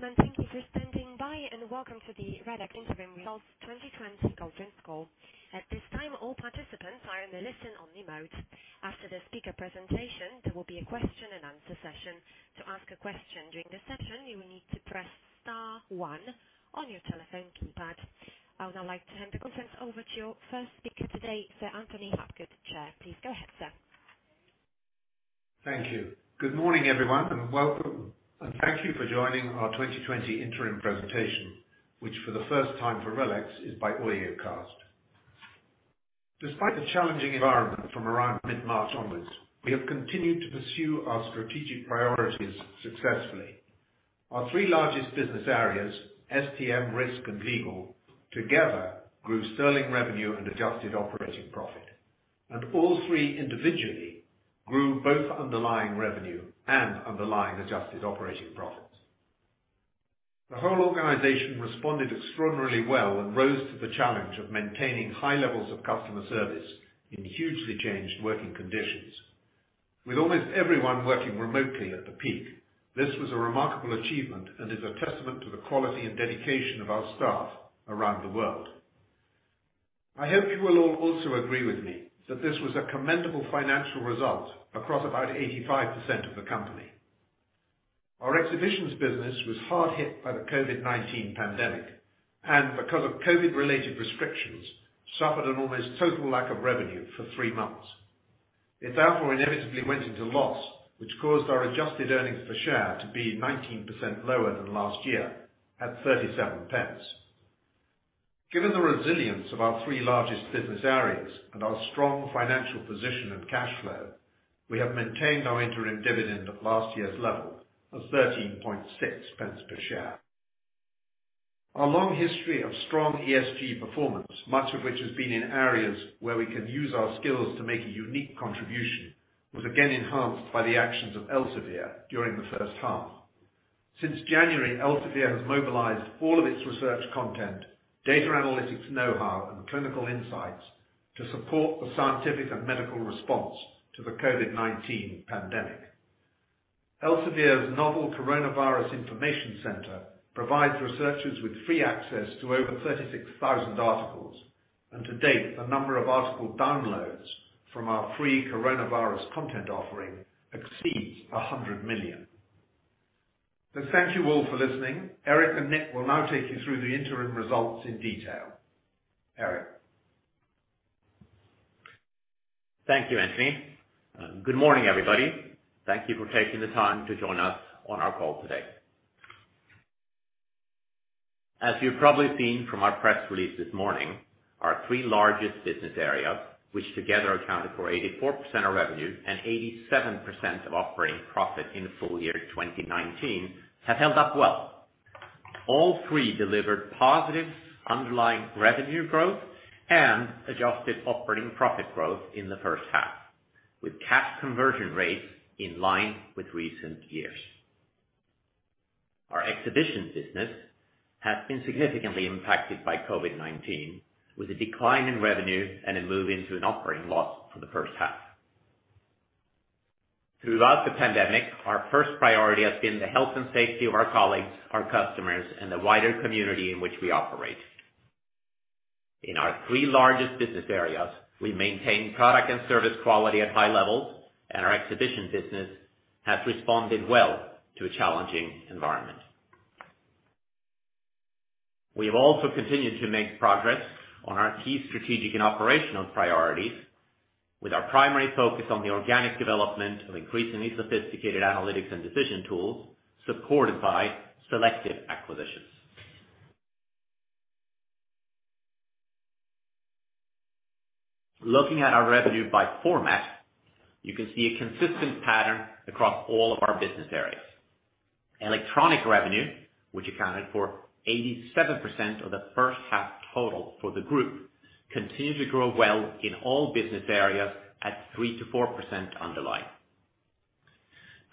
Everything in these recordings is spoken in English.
Ladies and gentlemen, thank you for standing by and welcome to the RELX Interim Results 2020 Conference Call. At this time, all participants are in the listen only mode. After the speaker presentation, there will be a question and answer session. To ask a question during the session, you will need to press star 1 on your telephone keypad. I would now like to hand the conference over to your first speaker today, Sir Anthony Habgood, Chair. Please go ahead, sir. Thank you. Good morning, everyone, and welcome. Thank you for joining our 2020 interim presentation, which for the first time for RELX, is by audiocast. Despite the challenging environment from around mid-March onwards, we have continued to pursue our strategic priorities successfully. Our three largest business areas, STM, Risk, and Legal, together grew sterling revenue and adjusted operating profit. All three individually grew both underlying revenue and underlying adjusted operating profit. The whole organization responded extraordinarily well and rose to the challenge of maintaining high levels of customer service in hugely changed working conditions. With almost everyone working remotely at the peak, this was a remarkable achievement and is a testament to the quality and dedication of our staff around the world. I hope you will all also agree with me that this was a commendable financial result across about 85% of the company. Our Exhibitions business was hard hit by the COVID-19 pandemic, and because of COVID related restrictions, suffered an almost total lack of revenue for three months. It therefore inevitably went into loss, which caused our adjusted earnings per share to be 19% lower than last year at 0.37. Given the resilience of our three largest business areas and our strong financial position and cash flow, we have maintained our interim dividend at last year's level of 0.136 per share. Our long history of strong ESG performance, much of which has been in areas where we can use our skills to make a unique contribution, was again enhanced by the actions of Elsevier during the first half. Since January, Elsevier has mobilized all of its research content, data analytics knowhow, and clinical insights to support the scientific and medical response to the COVID-19 pandemic. Elsevier's Novel Coronavirus Information Center provides researchers with free access to over 36,000 articles. To date, the number of article downloads from our free coronavirus content offering exceeds 100 million. Thank you all for listening. Erik and Nick will now take you through the interim results in detail. Erik. Thank you, Anthony. Good morning, everybody. Thank you for taking the time to join us on our call today. As you've probably seen from our press release this morning, our three largest business area, which together accounted for 84% of revenue and 87% of operating profit in full year 2019, have held up well. All three delivered positive underlying revenue growth and adjusted operating profit growth in the first half, with cash conversion rates in line with recent years. Our Exhibitions business has been significantly impacted by COVID-19, with a decline in revenue and a move into an operating loss for the first half. Throughout the pandemic, our first priority has been the health and safety of our colleagues, our customers, and the wider community in which we operate. In our three largest business areas, we maintain product and service quality at high levels, and our Exhibition business has responded well to a challenging environment. We have also continued to make progress on our key strategic and operational priorities with our primary focus on the organic development of increasingly sophisticated analytics and decision tools, supported by selective acquisitions. Looking at our revenue by format, you can see a consistent pattern across all of our business areas. Electronic revenue, which accounted for 87% of the first half total for the group, continued to grow well in all business areas at 3%-4% underlying.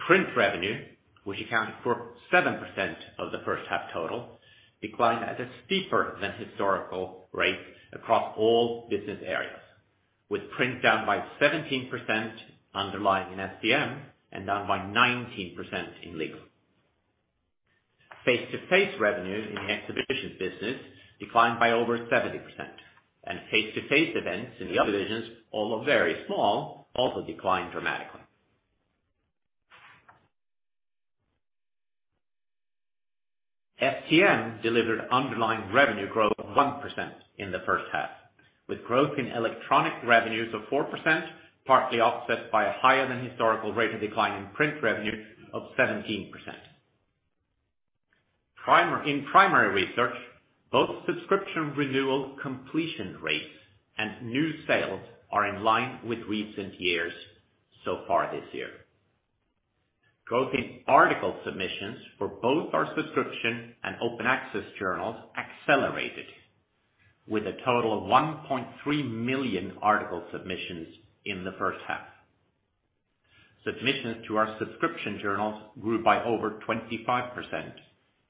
Print revenue, which accounted for 7% of the first half total, declined at a steeper than historical rate across all business areas, with print down by 17% underlying in STM and down by 19% in Legal. Face-to-face revenue in the Exhibitions business declined by over 70%, and face-to-face events in the other divisions, although very small, also declined dramatically. STM delivered underlying revenue growth of 1% in the first half, with growth in electronic revenues of 4%, partly offset by a higher than historical rate of decline in print revenue of 17%. In primary research, both subscription renewal completion rates and new sales are in line with recent years so far this year. Growth in article submissions for both our subscription and open access journals accelerated with a total of 1.3 million article submissions in the first half. Submissions to our subscription journals grew by over 25%,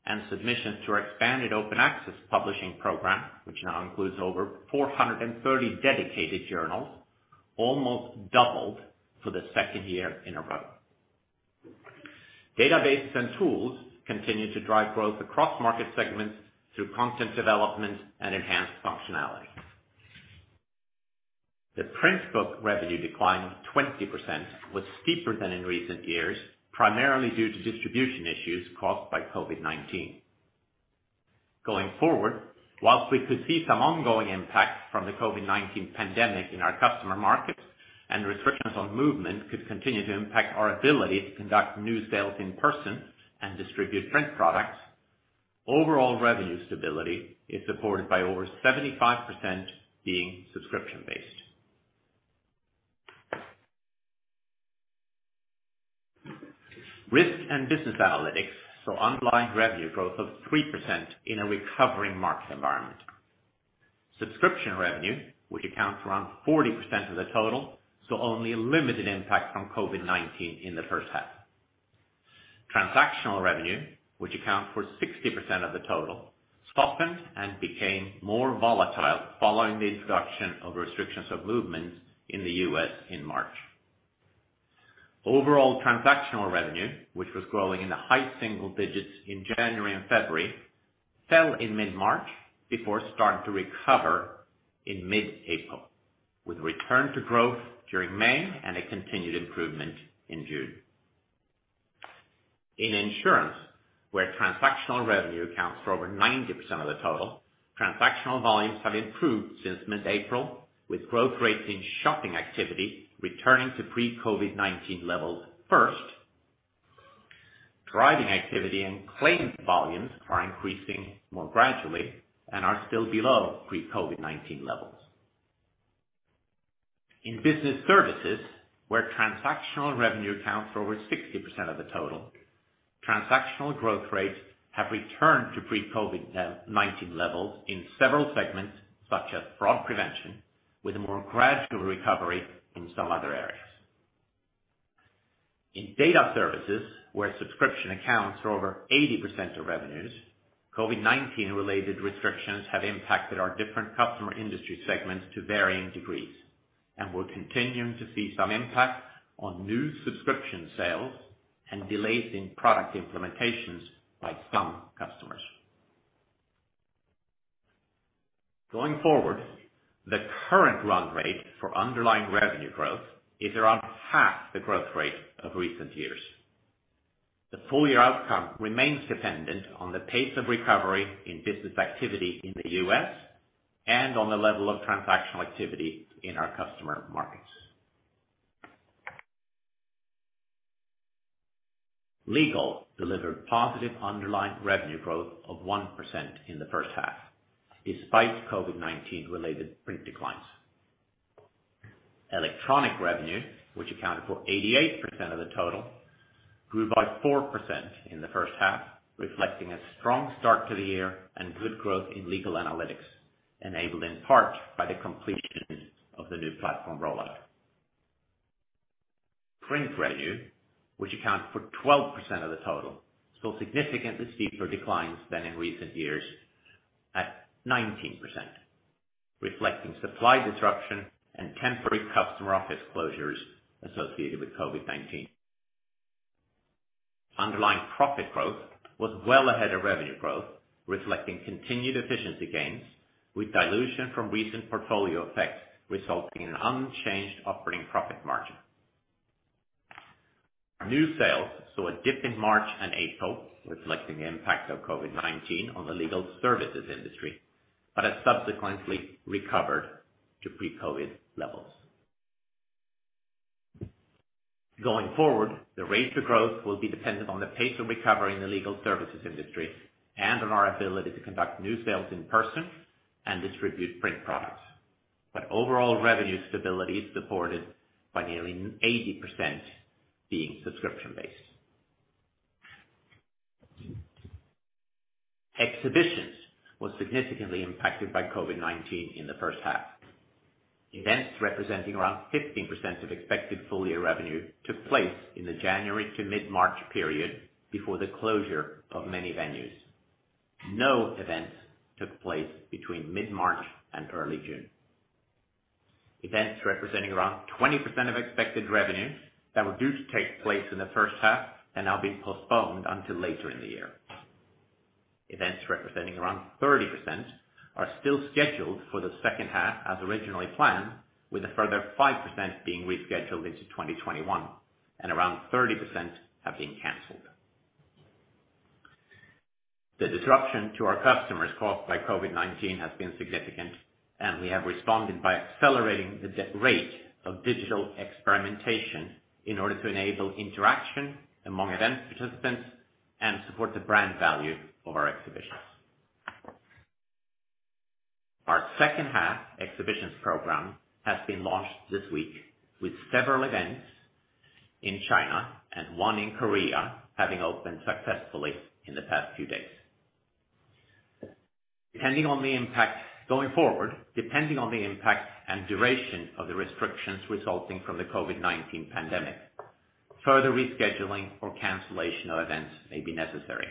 and submissions to our expanded open access publishing program, which now includes over 430 dedicated journals almost doubled for the second year in a row. Databases and tools continued to drive growth across market segments through content development and enhanced functionality. The print book revenue decline of 20% was steeper than in recent years, primarily due to distribution issues caused by COVID-19. Going forward, whilst we could see some ongoing impact from the COVID-19 pandemic in our customer markets, and restrictions on movement could continue to impact our ability to conduct new sales in person and distribute print products, overall revenue stability is supported by over 75% being subscription-based. Risk & Business Analytics saw underlying revenue growth of 3% in a recovering market environment. Subscription revenue, which accounts around 40% of the total, saw only a limited impact from COVID-19 in the first half. Transactional revenue, which accounts for 60% of the total, softened and became more volatile following the introduction of restrictions of movement in the U.S. in March. Overall transactional revenue, which was growing in the high single digits in January and February, fell in mid-March before starting to recover in mid-April, with a return to growth during May and a continued improvement in June. In insurance, where transactional revenue accounts for over 90% of the total, transactional volumes have improved since mid-April, with growth rates in shopping activity returning to pre-COVID-19 levels first. Driving activity and claims volumes are increasing more gradually and are still below pre-COVID-19 levels. In business services, where transactional revenue accounts for over 60% of the total, transactional growth rates have returned to pre-COVID-19 levels in several segments, such as fraud prevention, with a more gradual recovery in some other areas. In data services, where subscription accounts for over 80% of revenues, COVID-19 related restrictions have impacted our different customer industry segments to varying degrees, and we're continuing to see some impact on new subscription sales and delays in product implementations by some customers. Going forward, the current run rate for underlying revenue growth is around half the growth rate of recent years. The full-year outcome remains dependent on the pace of recovery in business activity in the U.S. and on the level of transactional activity in our customer markets. Legal delivered positive underlying revenue growth of 1% in the first half, despite COVID-19 related print declines. Electronic revenue, which accounted for 88% of the total, grew by 4% in the first half, reflecting a strong start to the year and good growth in legal analytics, enabled in part by the completion of the new platform rollout. Print revenue, which accounted for 12% of the total, saw significantly steeper declines than in recent years at 19%, reflecting supply disruption and temporary customer office closures associated with COVID-19. Underlying profit growth was well ahead of revenue growth, reflecting continued efficiency gains, with dilution from recent portfolio effects resulting in an unchanged operating profit margin. Our new sales saw a dip in March and April, reflecting the impact of COVID-19 on the legal services industry, but has subsequently recovered to pre-COVID levels. Going forward, the rate of growth will be dependent on the pace of recovery in the legal services industry and on our ability to conduct new sales in person and distribute print products. Overall revenue stability is supported by nearly 80% being subscription-based. Exhibitions was significantly impacted by COVID-19 in the first half. Events representing around 15% of expected full-year revenue took place in the January to mid-March period before the closure of many venues. No events took place between mid-March and early June. Events representing around 20% of expected revenue that were due to take place in the first half and now be postponed until later in the year. Events representing around 30% are still scheduled for the second half as originally planned, with a further 5% being rescheduled into 2021, and around 30% have been canceled. The disruption to our customers caused by COVID-19 has been significant, and we have responded by accelerating the rate of digital experimentation in order to enable interaction among event participants and support the brand value of our exhibitions. Our second half exhibitions program has been launched this week with several events in China and one in Korea having opened successfully in the past few days. Going forward, depending on the impact and duration of the restrictions resulting from the COVID-19 pandemic, further rescheduling or cancellation of events may be necessary,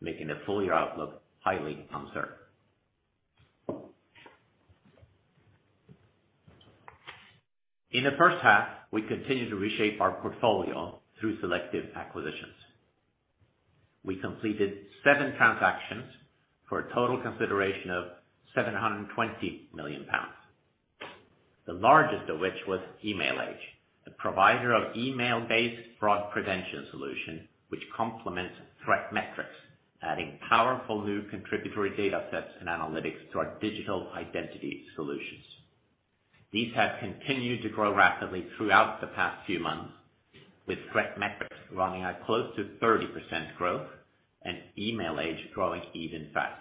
making the full-year outlook highly uncertain. In the first half, we continued to reshape our portfolio through selective acquisitions. We completed seven transactions for a total consideration of 720 million pounds. The largest of which was Emailage, the provider of email-based fraud prevention solution, which complements ThreatMetrix, adding powerful new contributory data sets and analytics to our digital identity solutions. These have continued to grow rapidly throughout the past few months, with ThreatMetrix running at close to 30% growth and Emailage growing even faster.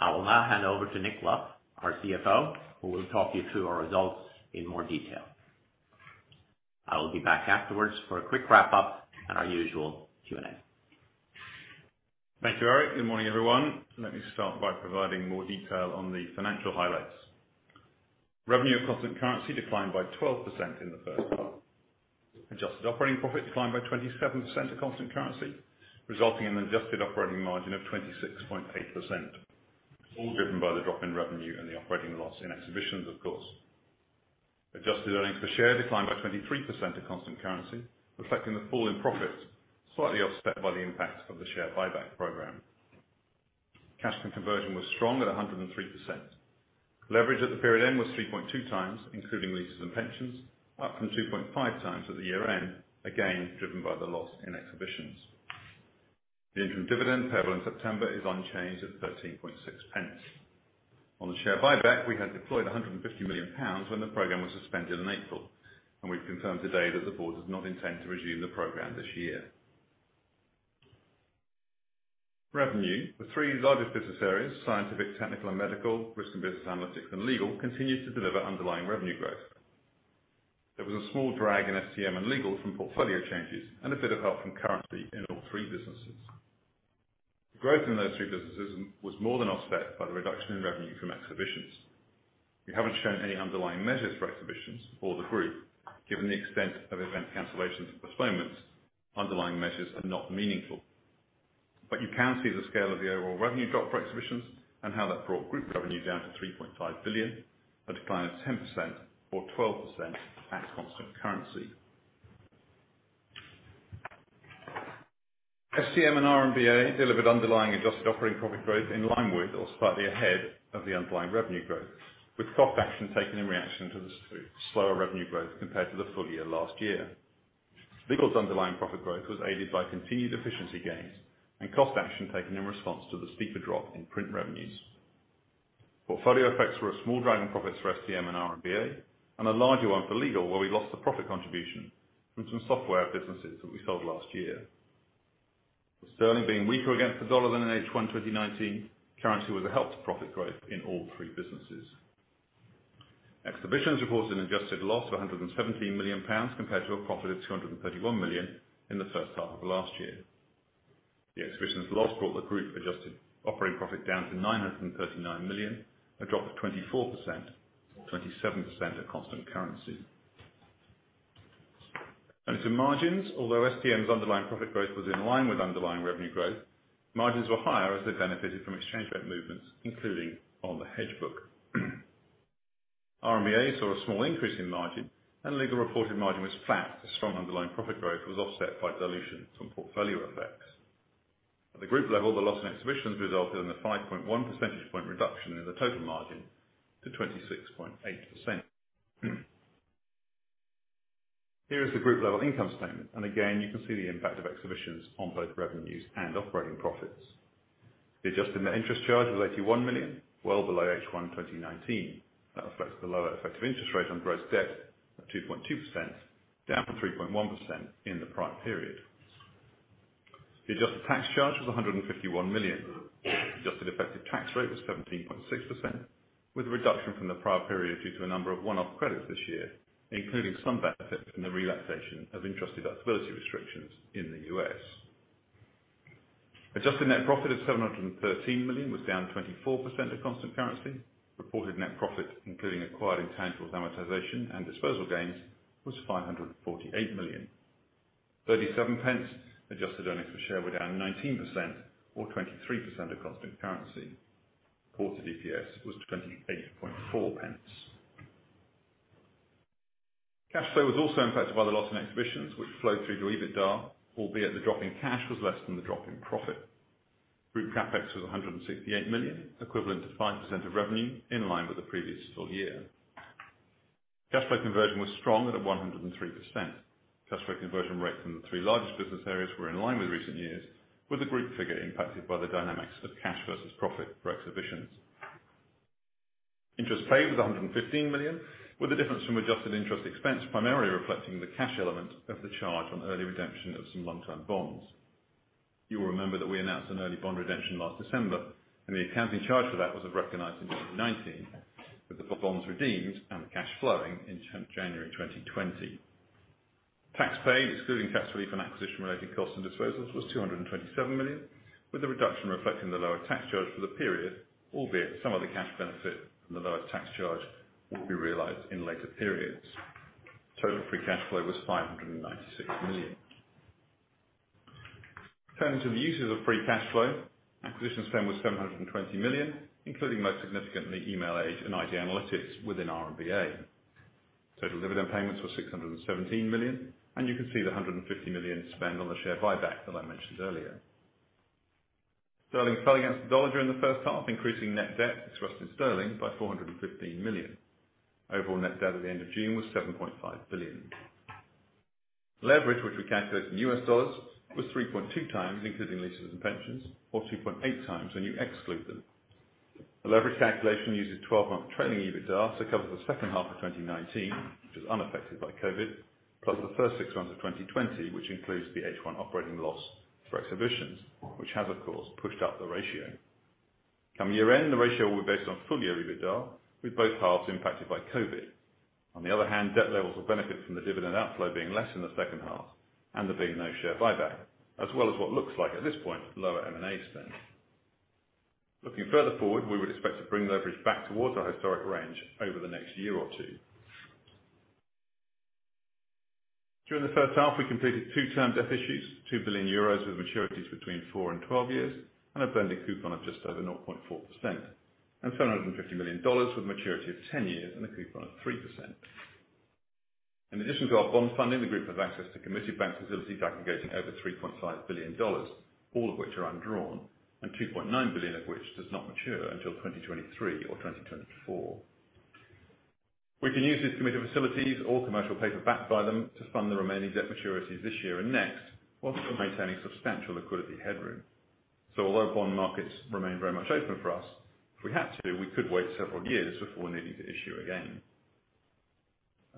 I will now hand over to Nick Luff, our CFO, who will talk you through our results in more detail. I will be back afterwards for a quick wrap-up and our usual Q&A. Thank you, Erik. Good morning, everyone. Let me start by providing more detail on the financial highlights. Revenue constant currency declined by 12% in the first half. Adjusted operating profit declined by 27% at constant currency, resulting in adjusted operating margin of 26.8%, all driven by the drop in revenue and the operating loss in Exhibitions, of course. Adjusted earnings per share declined by 23% at constant currency, reflecting the fall in profits, slightly offset by the impact of the share buyback program. Cash conversion was strong at 103%. Leverage at the period end was 3.2x, including leases and pensions, up from 2.5x at the year-end, again, driven by the loss in Exhibitions. The interim dividend payable in September is unchanged at 0.136. On the share buyback, we had deployed 150 million pounds when the program was suspended in April, and we've confirmed today that the board does not intend to resume the program this year. Revenue. The three largest business areas, Scientific, Technical and Medical, Risk and Business Analytics, and Legal, continued to deliver underlying revenue growth. There was a small drag in STM and Legal from portfolio changes and a bit of help from currency in all three businesses. The growth in those three businesses was more than offset by the reduction in revenue from Exhibitions. We haven't shown any underlying measures for Exhibitions or the group. Given the extent of event cancellations and postponements, underlying measures are not meaningful. You can see the scale of the overall revenue drop for Exhibitions and how that brought group revenue down to 3.5 billion, a decline of 10% or 12% at constant currency. STM and R&BA delivered underlying adjusted operating profit growth in line with or slightly ahead of the underlying revenue growth, with cost action taken in reaction to the slower revenue growth compared to the full year last year. Legal's underlying profit growth was aided by continued efficiency gains and cost action taken in response to the steeper drop in print revenues. Portfolio effects were a small drag in profits for STM and R&BA and a larger one for Legal, where we lost the profit contribution from some software businesses that we sold last year. With sterling being weaker against the dollar than in H1 2019, currency was a help to profit growth in all three businesses. Exhibitions reports an adjusted loss of GBP 117 million compared to a profit of GBP 231 million in the first half of last year. The Exhibitions loss brought the group-adjusted operating profit down to 939 million, a drop of 24%, 27% at constant currency. To margins, although STM's underlying profit growth was in line with underlying revenue growth, margins were higher as they benefited from exchange rate movements, including on the hedge book. R&BA saw a small increase in margin, and Legal reported margin was flat as strong underlying profit growth was offset by dilution from portfolio effects. At the group level, the loss in Exhibitions resulted in the 5.1 percentage point reduction in the total margin to 26.8%. Here is the group level income statement, again, you can see the impact of Exhibitions on both revenues and operating profits. The adjusted net interest charge was 81 million, well below H1 2019. That reflects the lower effective interest rate on gross debt of 2.2%, down from 3.1% in the prior period. The adjusted tax charge was 151 million. Adjusted effective tax rate was 17.6%, with a reduction from the prior period due to a number of one-off credits this year, including some benefit from the relaxation of interest deductibility restrictions in the U.S. Adjusted net profit of 713 million was down 24% at constant currency. Reported net profit, including acquired intangibles amortization and disposal gains, was 548 million. 0.37 adjusted earnings per share were down 19% or 23% at constant currency. Reported EPS was GBP 0.284. Cash flow was also impacted by the loss in Exhibitions which flowed through to EBITDA, albeit the drop in cash was less than the drop in profit. Group CapEx was 168 million, equivalent to 5% of revenue, in line with the previous full year. Cash flow conversion was strong at 103%. Cash flow conversion rates in the three largest business areas were in line with recent years, with the group figure impacted by the dynamics of cash versus profit for Exhibitions. Interest paid was 115 million, with the difference from adjusted interest expense primarily reflecting the cash element of the charge on early redemption of some long-term bonds. You will remember that we announced an early bond redemption last December, and the accounting charge for that was recognized in 2019, with the bonds redeemed and the cash flowing in January 2020. Tax paid, excluding tax relief and acquisition-related costs and disposals, was 227 million, with the reduction reflecting the lower tax charge for the period, albeit some of the cash benefit from the lower tax charge will be realized in later periods. Total free cash flow was 596 million. Turning to the uses of free cash flow. Acquisitions spend was 720 million, including most significantly Emailage and ID Analytics within R&BA. Total dividend payments were 617 million, and you can see the 150 million spend on the share buyback that I mentioned earlier. Sterling fell against the dollar during the first half, increasing net debt expressed in sterling by 415 million. Overall net debt at the end of June was 7.5 billion. Leverage, which we calculate in U.S. dollars, was 3.2x including leases and pensions, or 2.8x when you exclude them. The leverage calculation uses 12-month trailing EBITDA, so it covers the second half of 2019, which is unaffected by COVID, plus the first six months of 2020, which includes the H1 operating loss for Exhibitions, which has of course, pushed up the ratio. Coming year-end, the ratio will be based on full-year EBITDA, with both halves impacted by COVID. On the other hand, debt levels will benefit from the dividend outflow being less in the second half and there being no share buyback, as well as what looks like at this point, lower M&A spend. Looking further forward, we would expect to bring leverage back towards our historic range over the next year or two. During the first half, we completed two termed debt issues, 2 billion euros with maturities between 4 and 12 years and a blended coupon of just over 0.4%, and $750 million with a maturity of 10 years and a coupon of 3%. In addition to our bond funding, the group has access to committed bank facilities aggregating over $3.5 billion, all of which are undrawn and $2.9 billion of which does not mature until 2023 or 2024. We can use these committed facilities or commercial paper backed by them to fund the remaining debt maturities this year and next, while still maintaining substantial liquidity headroom. Although bond markets remain very much open for us, if we had to, we could wait several years before we need to issue again.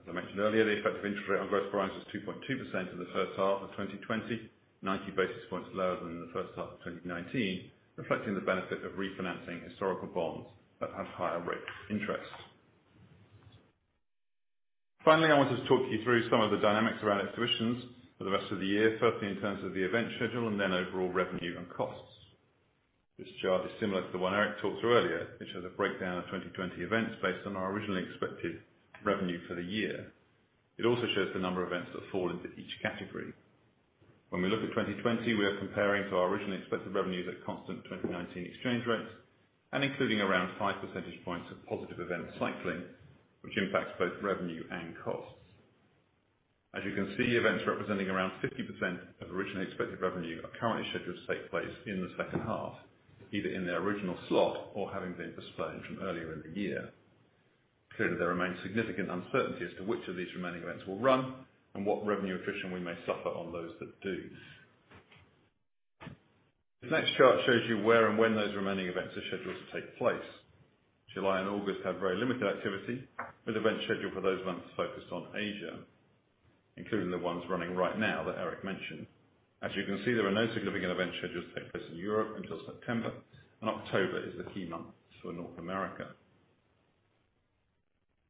As I mentioned earlier, the effective interest rate on gross borrowing was 2.2% in the first half of 2020, 90 basis points lower than in the first half of 2019, reflecting the benefit of refinancing historical bonds that have higher rates of interest. Finally, I wanted to talk you through some of the dynamics around Exhibitions for the rest of the year, firstly in terms of the event schedule and then overall revenue and costs. This chart is similar to the one Erik talked through earlier, which shows a breakdown of 2020 events based on our originally expected revenue for the year. It also shows the number of events that fall into each category. When we look at 2020, we are comparing to our originally expected revenues at constant 2019 exchange rates and including around five percentage points of positive event cycling, which impacts both revenue and costs. As you can see, events representing around 50% of originally expected revenue are currently scheduled to take place in the second half, either in their original slot or having been postponed from earlier in the year. Clearly, there remains significant uncertainty as to which of these remaining events will run and what revenue attrition we may suffer on those that do. This next chart shows you where and when those remaining events are scheduled to take place. July and August have very limited activity, with event schedule for those months focused on Asia, including the ones running right now that Erik mentioned. As you can see, there are no significant events scheduled to take place in Europe until September. October is the key month for North America.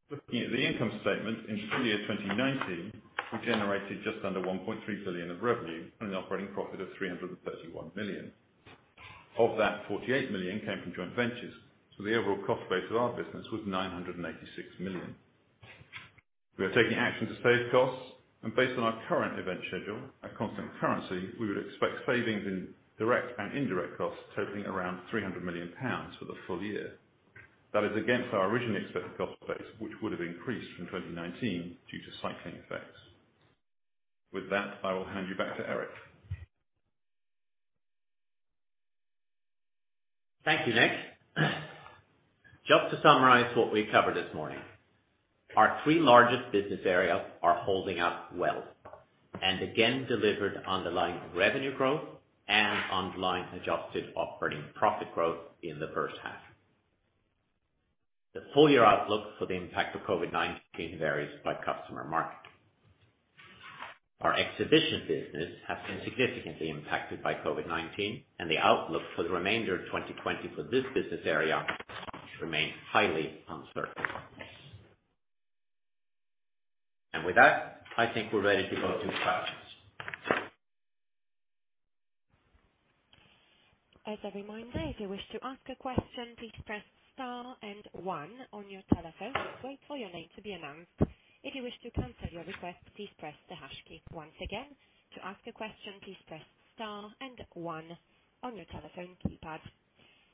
Looking at the income statement in full year 2019, we generated just under 1.3 billion of revenue and an operating profit of 331 million. Of that, 48 million came from joint ventures, so the overall cost base of our business was 986 million. We are taking action to save costs, and based on our current event schedule at constant currency, we would expect savings in direct and indirect costs totaling around 300 million pounds for the full year. That is against our originally expected cost base, which would have increased from 2019 due to cycling effects. With that, I will hand you back to Erik. Thank you, Nick. Just to summarize what we've covered this morning, our three largest business areas are holding up well and again delivered underlying revenue growth and underlying adjusted operating profit growth in the first half. The full-year outlook for the impact of COVID-19 varies by customer market. Our Exhibition business has been significantly impacted by COVID-19, and the outlook for the remainder of 2020 for this business area remains highly uncertain. With that, I think we're ready to go to questions. As a reminder, if you wish to ask a question, please press star and one on your telephone and wait for your name to be announced. If you wish to cancel your request, please press the hash key. Once again, to ask a question, please press star and one on your telephone keypad.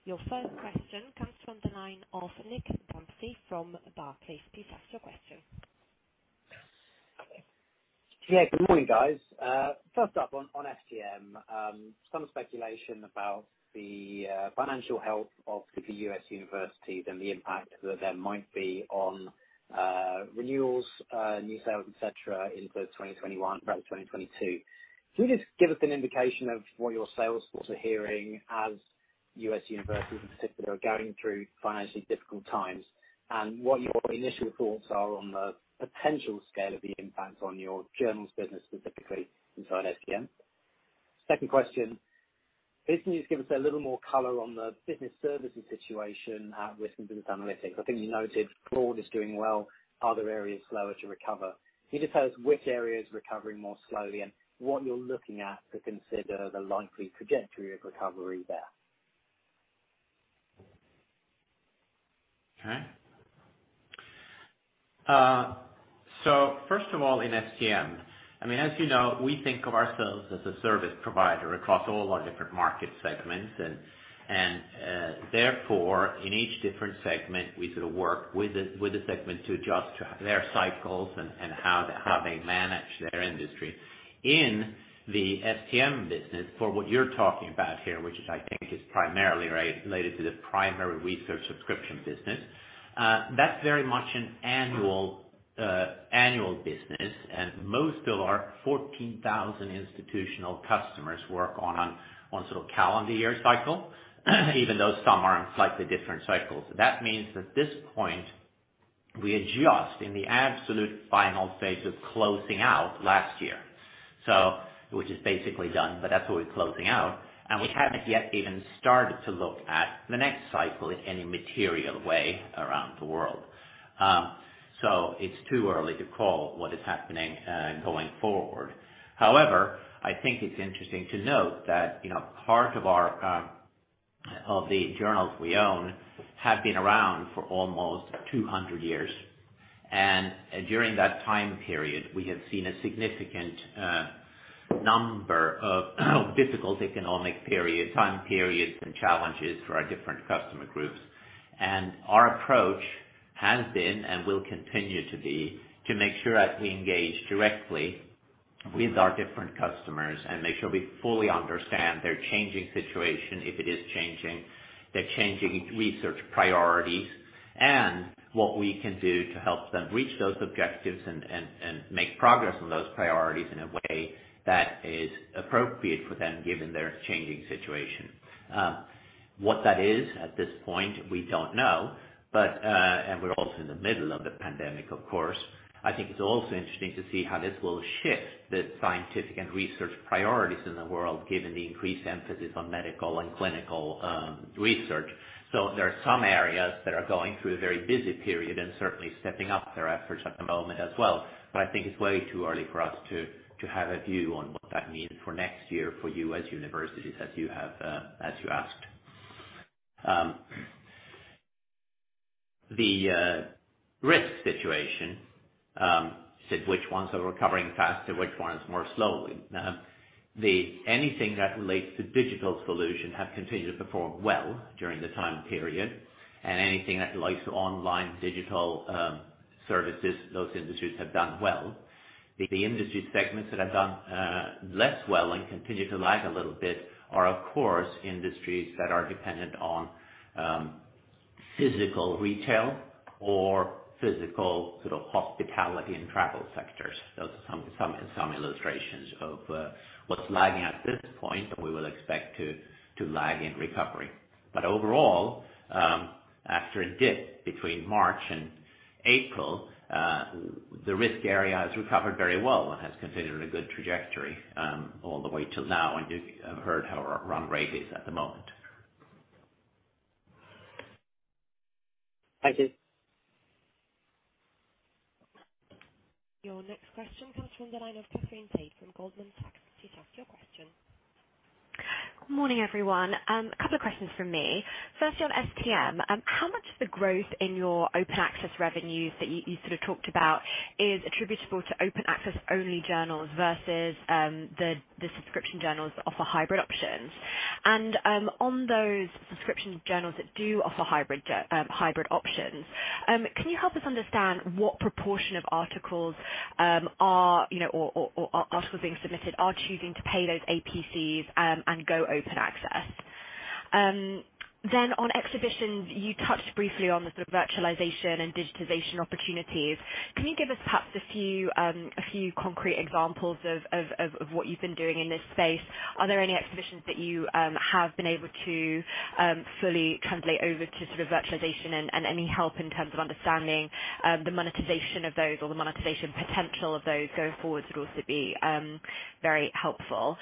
Your first question comes from the line of Nick Dempsey from Barclays. Please ask your question. Yeah, good morning, guys. First up on STM. Some speculation about the financial health of the U.S. universities and the impact that there might be on renewals, new sales, et cetera, into 2021, perhaps 2022. Can you just give us an indication of what your sales forces are hearing as U.S. universities in particular are going through financially difficult times? What your initial thoughts are on the potential scale of the impact on your journals business specifically inside STM. Second question. Basically, just give us a little more color on the business services situation with business analytics. I think you noted fraud is doing well, other areas slower to recover. Can you just tell us which area is recovering more slowly and what you're looking at to consider the likely trajectory of recovery there? Okay. First of all, in STM, as you know, we think of ourselves as a service provider across all our different market segments and therefore in each different segment, we sort of work with the segment to adjust to their cycles and how they manage their industry. In the STM business for what you're talking about here, which is, I think is primarily related to the primary research subscription business, that's very much an annual business. Most of our 14,000 institutional customers work on a sort of calendar year cycle, even though some are on slightly different cycles. That means that at this point, we adjust in the absolute final phase of closing out last year. Which is basically done, but that's what we're closing out, and we haven't yet even started to look at the next cycle in any material way around the world. It's too early to call what is happening going forward. However, I think it's interesting to note that part of the journals we own have been around for almost 200 years, and during that time period, we have seen a significant number of difficult economic time periods and challenges for our different customer groups. Our approach has been and will continue to be, to make sure that we engage directly with our different customers and make sure we fully understand their changing situation, if it is changing, their changing research priorities, and what we can do to help them reach those objectives and make progress on those priorities in a way that is appropriate for them given their changing situation. What that is at this point, we don't know. We're also in the middle of the pandemic, of course. I think it's also interesting to see how this will shift the scientific and research priorities in the world, given the increased emphasis on medical and clinical research. There are some areas that are going through a very busy period and certainly stepping up their efforts at the moment as well. I think it's way too early for us to have a view on what that means for next year for U.S. universities as you asked. The risk situation, you said which ones are recovering faster, which ones more slowly. Anything that relates to digital solutions have continued to perform well during the time period, and anything that relates to online digital services, those industries have done well. The industry segments that have done less well and continue to lag a little bit are, of course, industries that are dependent on physical retail or physical hospitality and travel sectors. Those are some illustrations of what's lagging at this point, and we will expect to lag in recovery. Overall, after a dip between March and April, the risk area has recovered very well and has continued a good trajectory all the way till now, and you've heard how our run rate is at the moment. Thank you. Your next question comes from the line of Katherine Tait from Goldman Sachs. Please ask your question. Good morning, everyone. A couple of questions from me. Firstly, on STM, how much of the growth in your open access revenues that you sort of talked about is attributable to open access-only journals versus the subscription journals that offer hybrid options? On those subscription journals that do offer hybrid options, can you help us understand what proportion of articles being submitted are choosing to pay those APCs, and go open access? On exhibitions, you touched briefly on the sort of virtualization and digitization opportunities. Can you give us perhaps a few concrete examples of what you've been doing in this space? Are there any exhibitions that you have been able to fully translate over to virtualization and any help in terms of understanding the monetization of those or the monetization potential of those going forward would also be very helpful.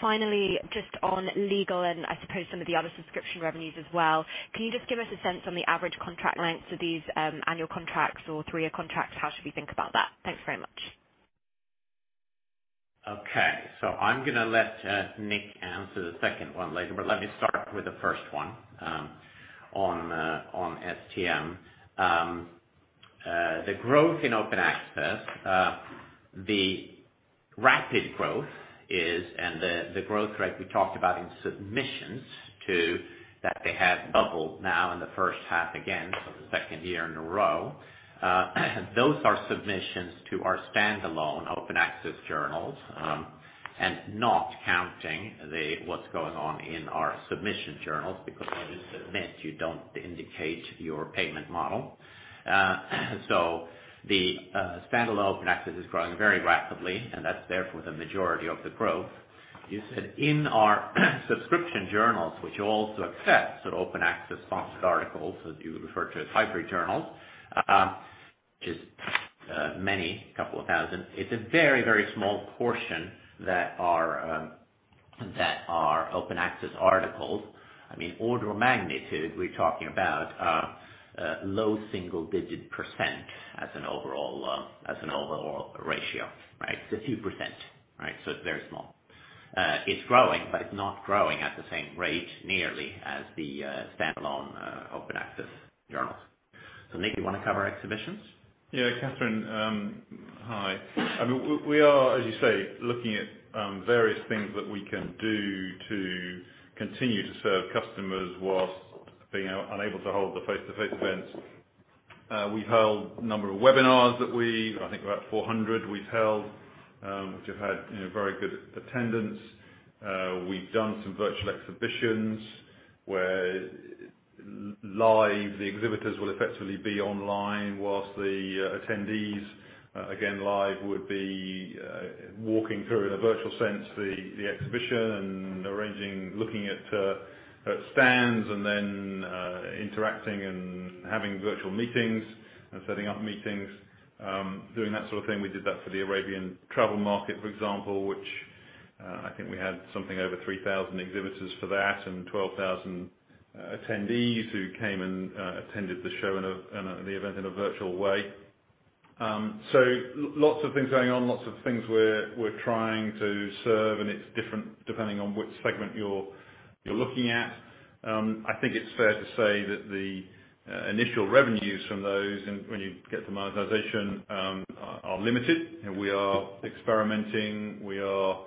Finally, just on legal and I suppose some of the other subscription revenues as well, can you just give us a sense on the average contract lengths of these annual contracts or three-year contracts? How should we think about that? Thanks very much. I'm going to let Nick answer the second one later. Let me start with the first one on STM. The growth in open access, the rapid growth, and the growth rate we talked about in submissions too, that they have doubled now in the first half again for the second year in a row. Those are submissions to our standalone open access journals, and not counting what's going on in our subscription journals, because when you submit, you don't indicate your payment model. The standalone open access is growing very rapidly, and that's therefore the majority of the growth. You said in our subscription journals, which also accept open access sponsored articles, as you refer to as hybrid journals, which is many, a couple of thousand. It's a very, very small portion that are open access articles. Order of magnitude, we're talking about low single-digit % as an overall ratio. Right? 2%. It's very small. It's growing, but it's not growing at the same rate nearly as the standalone open access journals. Nick, you want to cover exhibitions? Katherine, hi. We are, as you say, looking at various things that we can do to continue to serve customers whilst being unable to hold the face-to-face events. We've held a number of webinars that we, I think, about 400 we've held, which have had very good attendance. We've done some virtual exhibitions where live, the exhibitors will effectively be online whilst the attendees, again live, would be walking through in a virtual sense the exhibition and arranging, looking at stands and then interacting and having virtual meetings and setting up meetings, doing that sort of thing. We did that for the Arabian Travel Market, for example, which I think we had something over 3,000 exhibitors for that and 12,000 attendees who came and attended the show and the event in a virtual way. Lots of things going on, lots of things we're trying to serve, and it's different depending on which segment you're looking at. I think it's fair to say that the initial revenues from those, and when you get to monetization, are limited, and we are experimenting. We are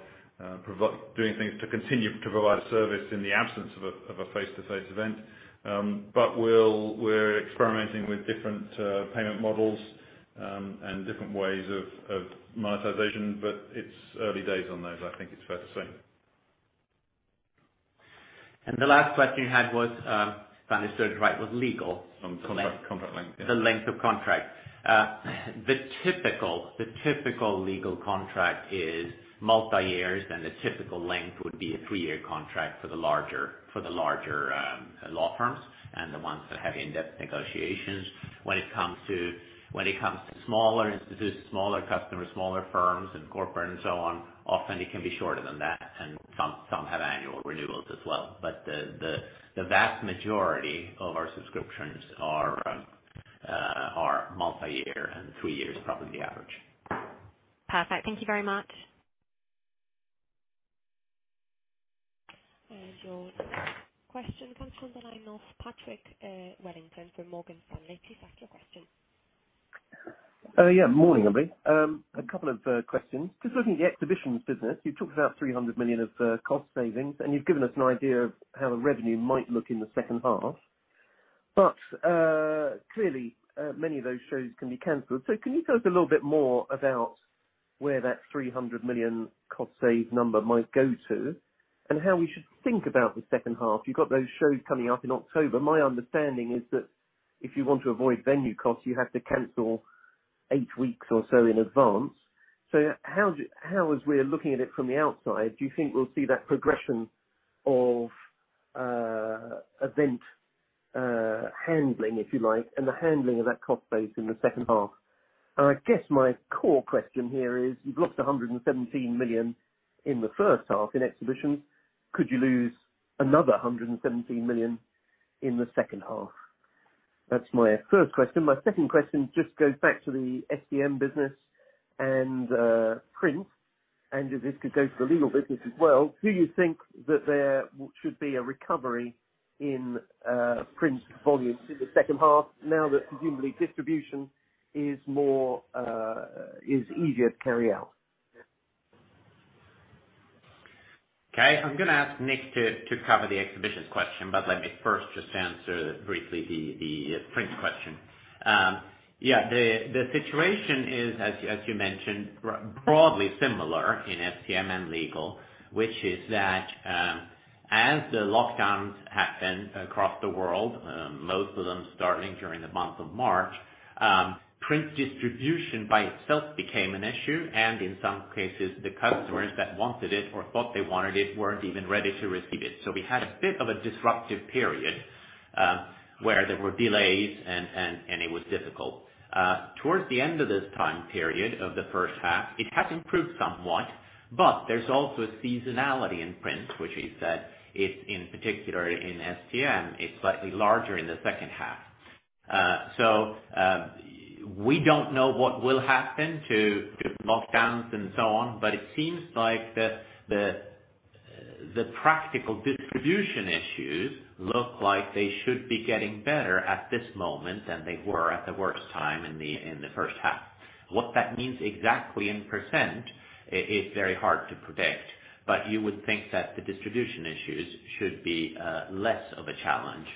doing things to continue to provide a service in the absence of a face-to-face event. We're experimenting with different payment models, and different ways of monetization. It's early days on those, I think it's fair to say. The last question you had was, if I understood right, was legal. Contract length. Yeah. The length of contract. The typical legal contract is multi-years. The typical length would be a three-year contract for the larger law firms and the ones that have in-depth negotiations. When it comes to smaller institutes, smaller customers, smaller firms, and corporate and so on, often it can be shorter than that, and some have annual renewals as well. The vast majority of our subscriptions are multi-year, and three years is probably the average. Perfect. Thank you very much. Your next question comes from the line of Patrick Wellington from Morgan Stanley. Please ask your question. Morning, everybody. A couple of questions. Looking at the exhibitions business, you talked about 300 million of cost savings, and you've given us an idea of how the revenue might look in the second half. Clearly, many of those shows can be canceled. Can you tell us a little bit more about where that 300 million cost save number might go to, and how we should think about the second half? You've got those shows coming up in October. My understanding is that if you want to avoid venue costs, you have to cancel 8 weeks or so in advance. How as we are looking at it from the outside, do you think we'll see that progression of event handling, if you like, and the handling of that cost base in the second half? I guess my core question here is, you've lost 117 million in the first half in exhibitions. Could you lose another 117 million in the second half? That's my first question. My second question just goes back to the STM business and print. If this could go to the legal business as well, do you think that there should be a recovery in print volumes in the second half now that presumably distribution is easier to carry out? I'm going to ask Nick to cover the exhibitions question, let me first just answer briefly the print question. The situation is, as you mentioned, broadly similar in STM and legal, which is that, as the lockdowns happened across the world, most of them starting during the month of March, print distribution by itself became an issue, and in some cases, the customers that wanted it or thought they wanted it weren't even ready to receive it. We had a bit of a disruptive period, where there were delays and it was difficult. Towards the end of this time period of the first half, it has improved somewhat, there's also a seasonality in print, which we've said it's in particular in STM, it's slightly larger in the second half. We don't know what will happen to lockdowns and so on, but it seems like the practical distribution issues look like they should be getting better at this moment than they were at the worst time in the first half. What that means exactly in % is very hard to predict. You would think that the distribution issues should be less of a challenge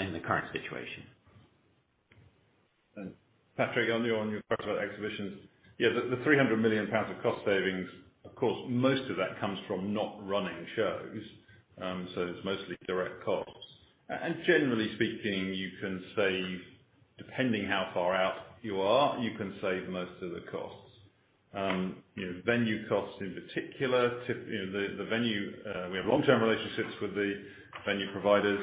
in the current situation. Patrick, on your part about exhibitions. Yeah, the 300 million pounds of cost savings, of course, most of that comes from not running shows. It's mostly direct costs. Generally speaking, you can save, depending how far out you are, you can save most of the costs. Venue costs in particular. We have long-term relationships with the venue providers.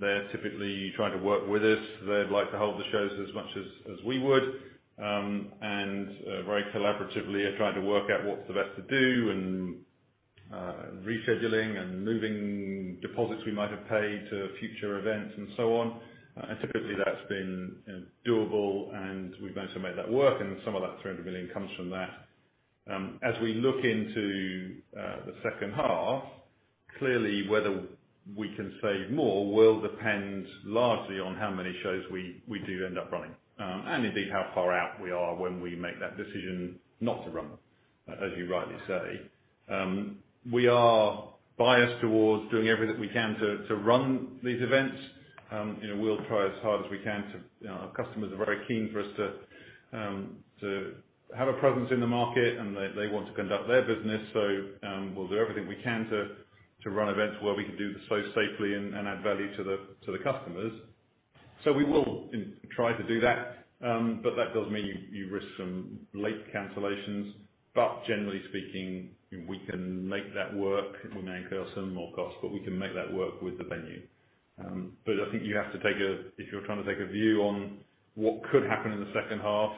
They're typically trying to work with us. They'd like to hold the shows as much as we would. Very collaboratively are trying to work out what's the best to do, and rescheduling and moving deposits we might have paid to future events and so on. Typically that's been doable and we've managed to make that work, and some of that 300 million comes from that. We look into the second half, clearly whether we can save more will depend largely on how many shows we do end up running. Indeed, how far out we are when we make that decision not to run them, as you rightly say. We are biased towards doing everything we can to run these events. We'll try as hard as we can. Our customers are very keen for us to have a presence in the market, and they want to conduct their business. We'll do everything we can to run events where we can do so safely and add value to the customers. We will try to do that, but that does mean you risk some late cancellations. Generally speaking, we can make that work. It will incur some more cost, but we can make that work with the venue. I think if you're trying to take a view on what could happen in the second half,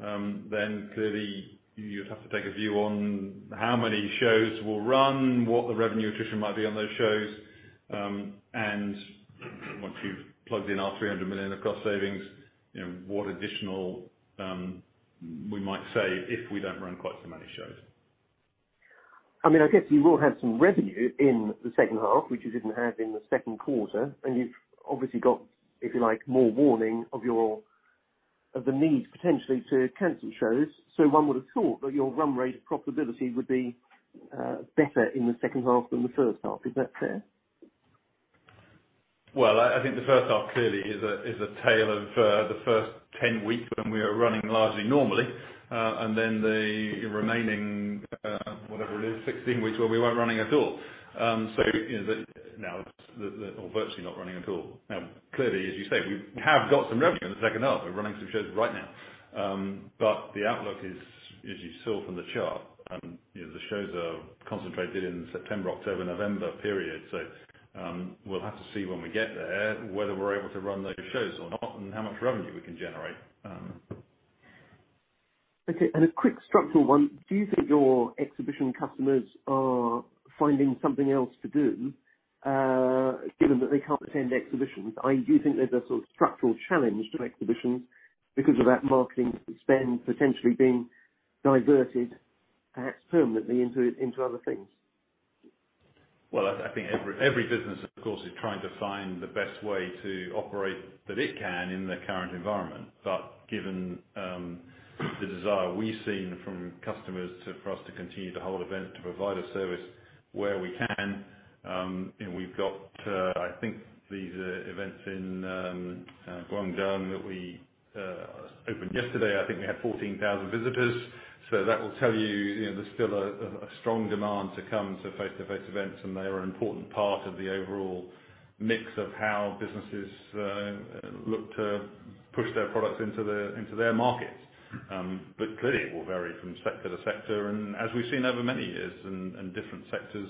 then clearly you'd have to take a view on how many shows will run, what the revenue attrition might be on those shows, and once you've plugged in our 300 million of cost savings, what additional we might save if we don't run quite so many shows. I guess you will have some revenue in the second half, which you didn't have in the second quarter, and you've obviously got, if you like, more warning of the need potentially to cancel shows. One would have thought that your run rate profitability would be better in the second half than the first half. Is that fair? Well, I think the first half clearly is a tale of the first 10 weeks when we are running largely normally. The remaining, whatever it is, 16 weeks where we weren't running at all. Virtually not running at all. Clearly, as you say, we have got some revenue in the second half. We're running some shows right now. The outlook is as you saw from the chart. The shows are concentrated in the September, October, November period. We'll have to see when we get there, whether we're able to run those shows or not, and how much revenue we can generate. Okay. A quick structural one. Do you think your exhibition customers are finding something else to do, given that they can't attend exhibitions? Do you think there's a sort of structural challenge to exhibitions because of that marketing spend potentially being diverted, perhaps permanently into other things? Well, I think every business, of course, is trying to find the best way to operate that it can in the current environment. Given the desire we've seen from customers for us to continue to hold events, to provide a service where we can, we've got these events in Guangdong that we opened yesterday. I think we had 14,000 visitors. That will tell you there's still a strong demand to come to face-to-face events, and they are an important part of the overall mix of how businesses look to push their products into their markets. Clearly, it will vary from sector to sector. As we've seen over many years in different sectors,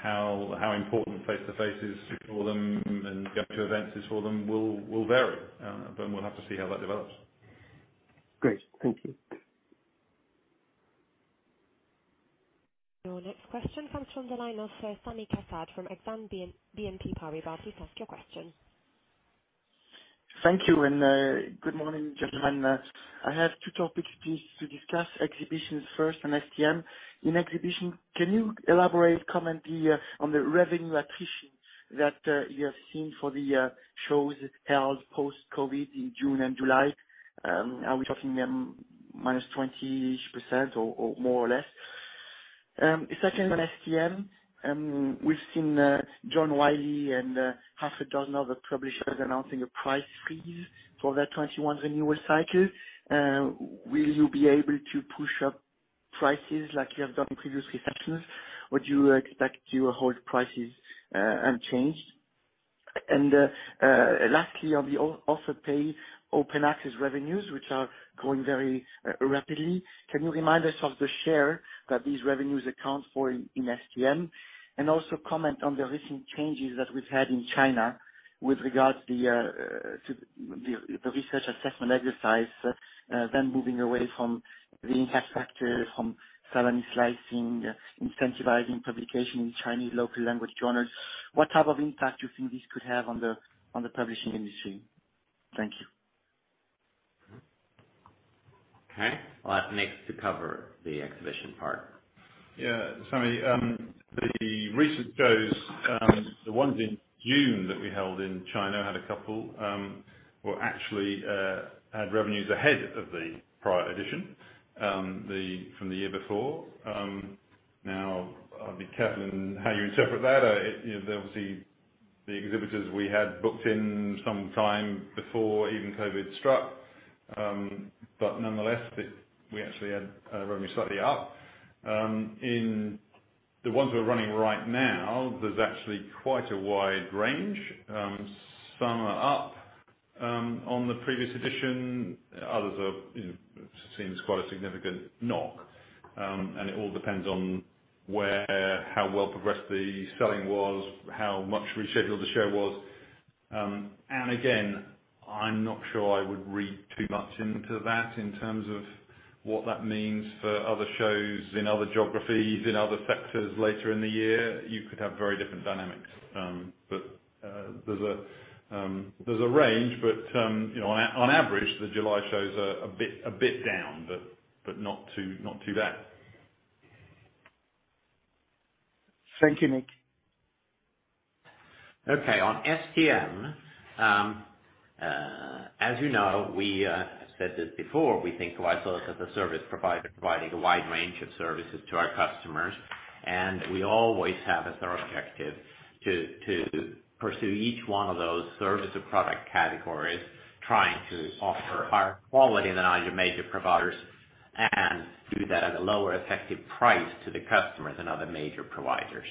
how important face-to-face is for them and going to events is for them will vary. We'll have to see how that develops. Great. Thank you. Your next question comes from the line of Sami Kassab from Exane BNP Paribas. Please ask your question. Thank you. Good morning, gentlemen. I have two topics to discuss, exhibitions first, and STM. In exhibition, can you elaborate, comment on the revenue attrition that you have seen for the shows held post-COVID in June and July? Are we talking minus 20% or more or less? Second one, STM. We've seen John Wiley and half a dozen other publishers announcing a price freeze for their 2021 renewal cycle. Will you be able to push up prices like you have done in previous recessions? Would you expect to hold prices unchanged? Lastly, on the author pay open access revenues, which are growing very rapidly, can you remind us of the share that these revenues account for in STM? Also comment on the recent changes that we've had in China with regards to the research assessment exercise, moving away from the impact factor from salami slicing, incentivizing publication in Chinese local language journals. What type of impact do you think this could have on the publishing industry? Thank you. Okay. I'll ask Nick to cover the exhibition part. Yeah. Sami, the recent shows, the ones in June that we held in China, had a couple, well, actually had revenues ahead of the prior edition from the year before. Now, I'll be careful in how you interpret that. They'll see the exhibitors we had booked in some time before even COVID struck. Nonetheless, we actually had revenue slightly up. In the ones we're running right now, there's actually quite a wide range. Some are up on the previous edition. Others have seen quite a significant knock. It all depends on how well progressed the selling was, how much rescheduled the show was. Again, I'm not sure I would read too much into that in terms of what that means for other shows in other geographies, in other sectors later in the year, you could have very different dynamics. There's a range, but on average, the July shows are a bit down, but not too bad. Thank you, Nick. Okay. On STM, as you know, I said this before, we think of ourselves as a service provider providing a wide range of services to our customers, and we always have as our objective to pursue each one of those service or product categories, trying to offer higher quality than our major providers, and do that at a lower effective price to the customer than other major providers.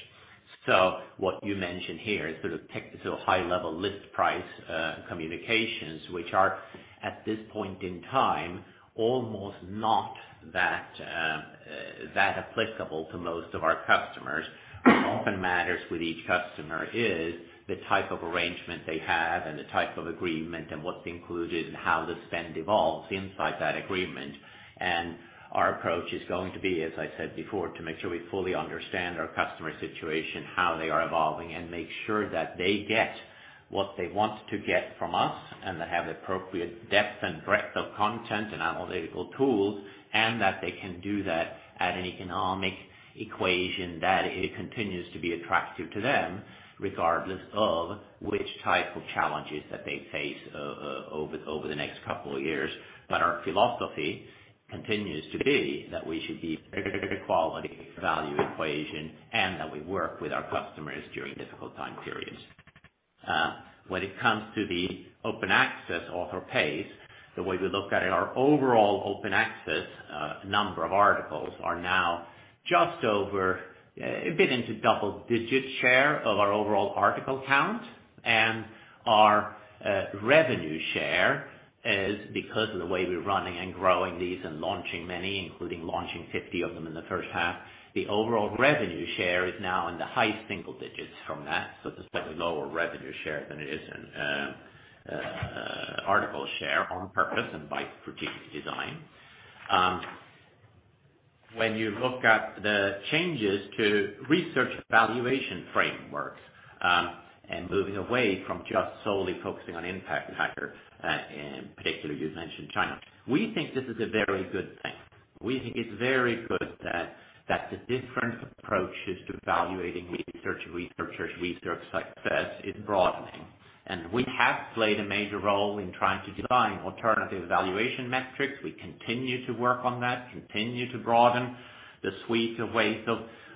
What you mentioned here is sort of high-level list price communications, which are, at this point in time, almost not that applicable to most of our customers. What often matters with each customer is the type of arrangement they have and the type of agreement and what's included and how the spend evolves inside that agreement. Our approach is going to be, as I said before, to make sure we fully understand our customer situation, how they are evolving, and make sure that they get what they want to get from us, and they have the appropriate depth and breadth of content and analytical tools, and that they can do that at an economic equation that it continues to be attractive to them, regardless of which type of challenges that they face over the next couple of years. Our philosophy continues to be that we should be a very good quality value equation, and that we work with our customers during difficult time periods. When it comes to the open access author pays, the way we look at it, our overall open access number of articles are now just over, a bit into double-digit share of our overall article count. Our revenue share is because of the way we're running and growing these and launching many, including launching 50 of them in the first half. The overall revenue share is now in the high single digits from that, so it's a slightly lower revenue share than it is in article share on purpose and by strategic design. You look at the changes to research evaluation frameworks, and moving away from just solely focusing on impact factor, in particular, you mentioned China. We think this is a very good thing. We think it's very good that the different approaches to evaluating research, researchers, research success is broadening. We have played a major role in trying to design alternative evaluation metrics. We continue to work on that, continue to broaden the suite of ways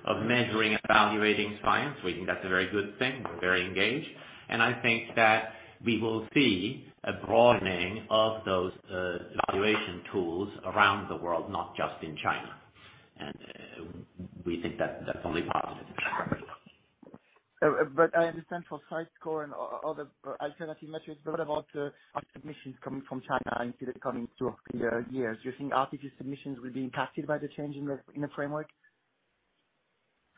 of measuring and evaluating science. We think that's a very good thing. We're very engaged, and I think that we will see a broadening of those evaluation tools around the world, not just in China. We think that that's only positive. I understand for CiteScore and other alternative metrics, but what about article submissions coming from China into the coming two or three years? Do you think article submissions will be impacted by the change in the framework?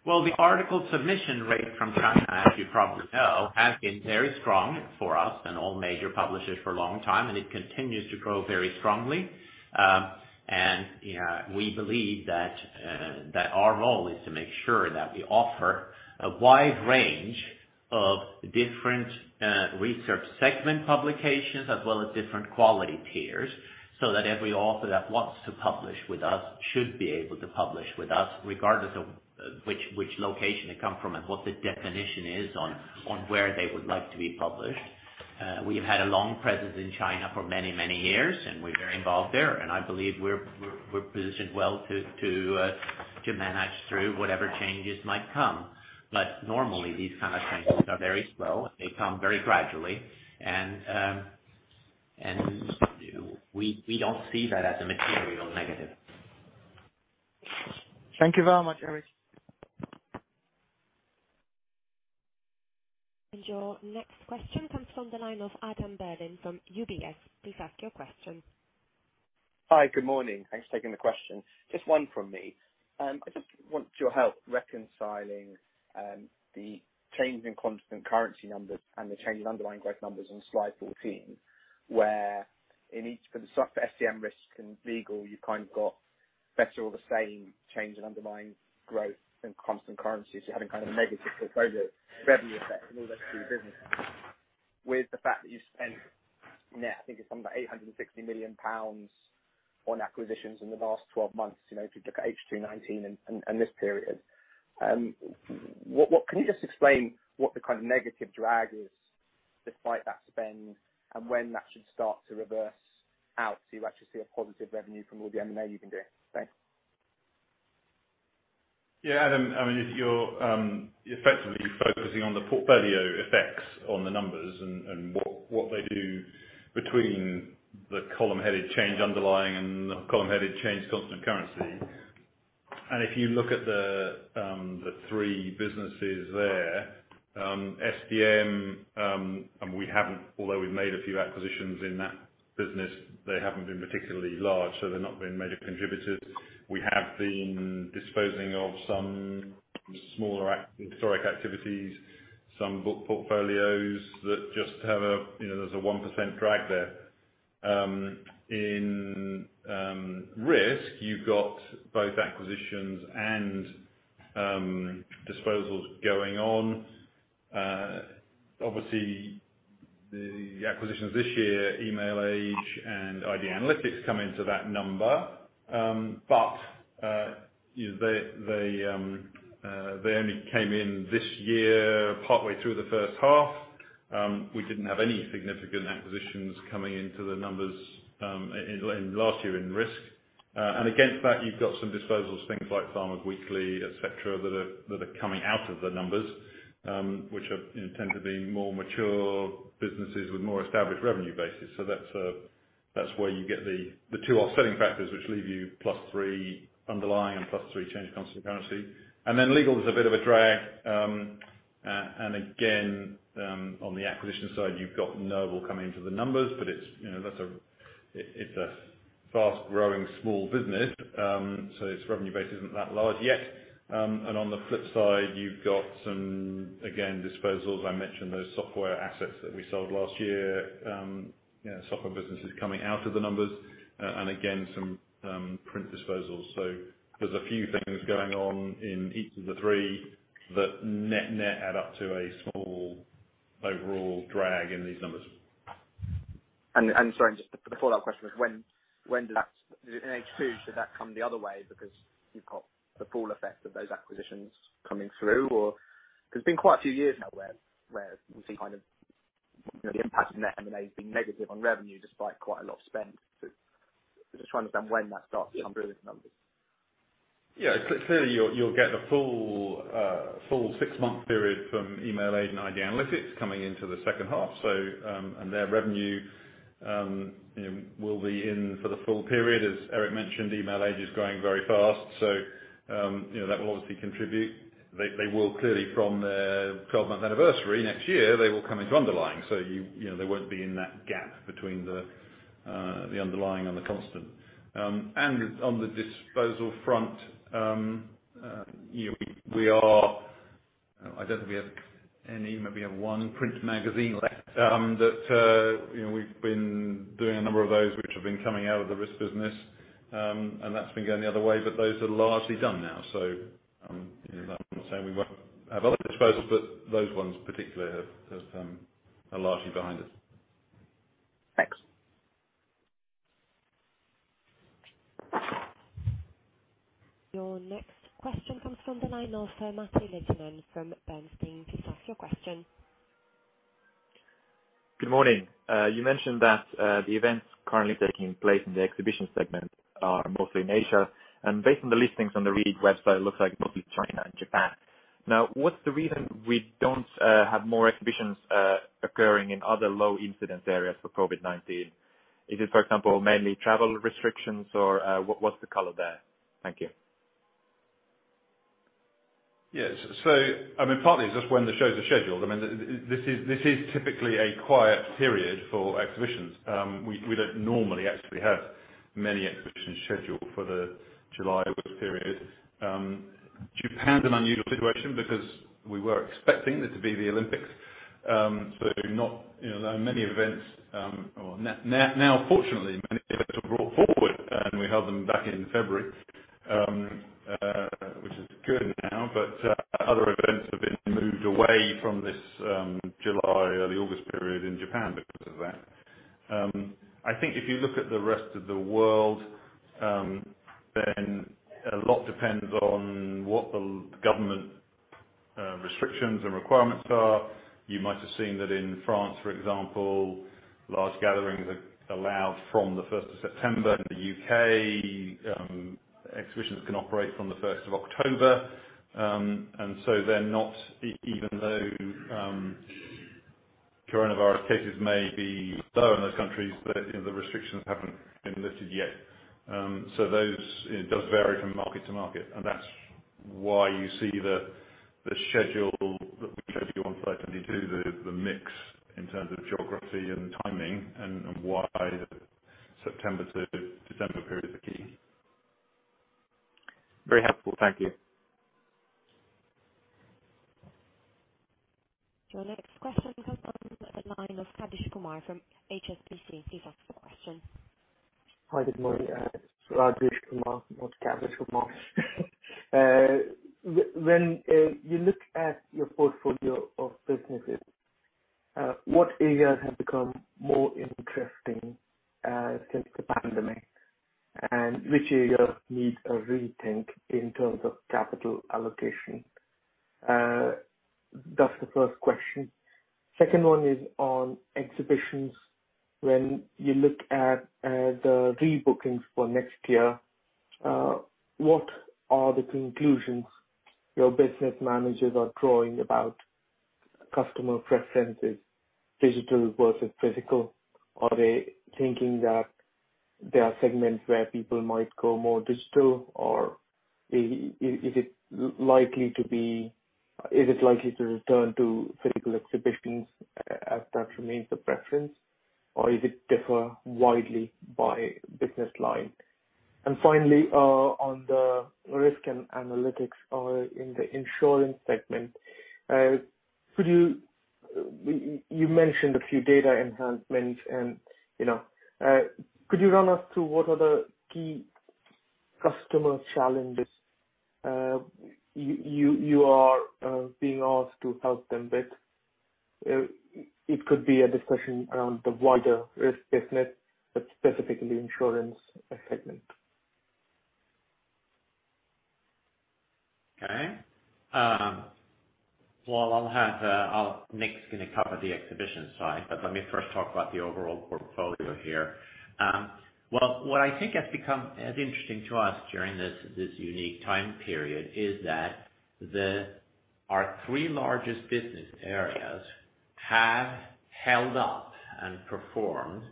Well, the article submission rate from China, as you probably know, has been very strong for us and all major publishers for a long time, and it continues to grow very strongly. We believe that our role is to make sure that we offer a wide range of different research segment publications as well as different quality tiers, so that every author that wants to publish with us should be able to publish with us regardless of which location they come from and what the definition is on where they would like to be published. We have had a long presence in China for many, many years, and we're very involved there, and I believe we're positioned well to manage through whatever changes might come. Normally these kind of changes are very slow, and they come very gradually. We don't see that as a material negative. Thank you very much, Erik. Your next question comes from the line of Adam Berlin from UBS. Please ask your question. Hi. Good morning. Thanks for taking the question. Just one from me. I just want your help reconciling the change in constant currency numbers and the change in underlying growth numbers on slide 14, where in each for the STM, Risk, and Legal, you've kind of got better or the same change in underlying growth and constant currency. You're having kind of a negative portfolio revenue effect in all those three businesses. With the fact that you spent net, I think it's something like 860 million pounds on acquisitions in the last 12 months. If you look at H2 2019 and this period. Can you just explain what the kind of negative drag is despite that spend and when that should start to reverse out so you actually see a positive revenue from all the M&A you've been doing? Thanks. Yeah, Adam, if you're effectively focusing on the portfolio effects on the numbers and what they do between the column headed change underlying and the column headed change constant currency. If you look at the three businesses there, STM, and although we've made a few acquisitions in that business, they haven't been particularly large, so they've not been major contributors. We have been disposing of some smaller historic activities, some book portfolios that just have a 1% drag there. In Risk, you've got both acquisitions and disposals going on. Obviously, the acquisitions this year, Emailage and ID Analytics, come into that number. They only came in this year, partway through the first half. We didn't have any significant acquisitions coming into the numbers last year in Risk. Against that, you've got some disposals, things like Farmers Weekly, et cetera, that are coming out of the numbers, which tend to be more mature businesses with more established revenue bases. That's where you get the two offsetting factors, which leave you plus three underlying and plus three change in constant currency. Legal is a bit of a drag. Again, on the acquisition side, you've got Knovel coming into the numbers, but it's a fast-growing small business, so its revenue base isn't that large yet. On the flip side, you've got some, again, disposals. I mentioned those software assets that we sold last year. Software businesses coming out of the numbers. Again, some print disposals. There's a few things going on in each of the three that net-net add up to a small overall drag in these numbers. Sorry, just the follow-up question was, in H2, should that come the other way because you've got the full effect of those acquisitions coming through? Because it's been quite a few years now where we see the impact of M&A being negative on revenue despite quite a lot of spend. Just trying to understand when that starts to come through the numbers. Yeah. Clearly, you'll get the full six-month period from Emailage and ID Analytics coming into the second half. Their revenue will be in for the full period. As Erik mentioned, Emailage is growing very fast, that will obviously contribute. They will clearly, from their 12-month anniversary next year, they will come into underlying. They won't be in that gap between the underlying and the constant. On the disposal front, maybe we have one print magazine left. We've been doing a number of those which have been coming out of the Risk business, and that's been going the other way. But those are largely done now. I'm not saying we won't have other disposals, but those ones particularly have are largely behind us. Thanks. Your next question comes from the line of Matti Littunen from Bernstein. Please ask your question. Good morning. You mentioned that the events currently taking place in the exhibition segment are mostly in Asia, and based on the listings on the RELX website, it looks like mostly China and Japan. Now, what's the reason we don't have more exhibitions occurring in other low incidence areas for COVID-19? Is it, for example, mainly travel restrictions or what's the color there? Thank you. Yes. Partly it's just when the shows are scheduled. This is typically a quiet period for exhibitions. We don't normally actually have many exhibitions scheduled for the July, August period. Japan's an unusual situation because we were expecting there to be the Olympics. Now fortunately, many events were brought forward, and we held them back in February, which is good now, but other events have been moved away from this July, early August period in Japan because of that. I think if you look at the rest of the world, a lot depends on what the government restrictions and requirements are. You might have seen that in France, for example, large gatherings are allowed from the 1st of September. In the U.K., exhibitions can operate from the 1st of October. They're not, even though coronavirus cases may be low in those countries, but the restrictions haven't been lifted yet. It does vary from market to market, and that's why you see the schedule that we showed you on Slide 22, the mix in terms of geography and timing, and why the September to December period is a key. Very helpful. Thank you. Your next question comes from the line of Rajesh Kumar from HSBC. Please ask your question. Hi, good morning. It's Rajesh Kumar, not Kabish Kumar. When you look at your portfolio of businesses, what areas have become more interesting since the pandemic, and which areas need a rethink in terms of capital allocation? That's the first question. Second one is on exhibitions. When you look at the rebookings for next year, what are the conclusions your business managers are drawing about customer preferences, digital versus physical? Are they thinking that there are segments where people might go more digital, or is it likely to return to physical exhibitions as that remains the preference, or is it differ widely by business line? Finally, on the Risk and Analytics in the insurance segment. You mentioned a few data enhancements, could you run us through what are the key customer challenges you are being asked to help them with? It could be a discussion around the wider risk business, but specifically insurance segment. Okay. Well, Nick's going to cover the exhibition side, but let me first talk about the overall portfolio here. What I think has become interesting to us during this unique time period is that our three largest business areas have held up and performed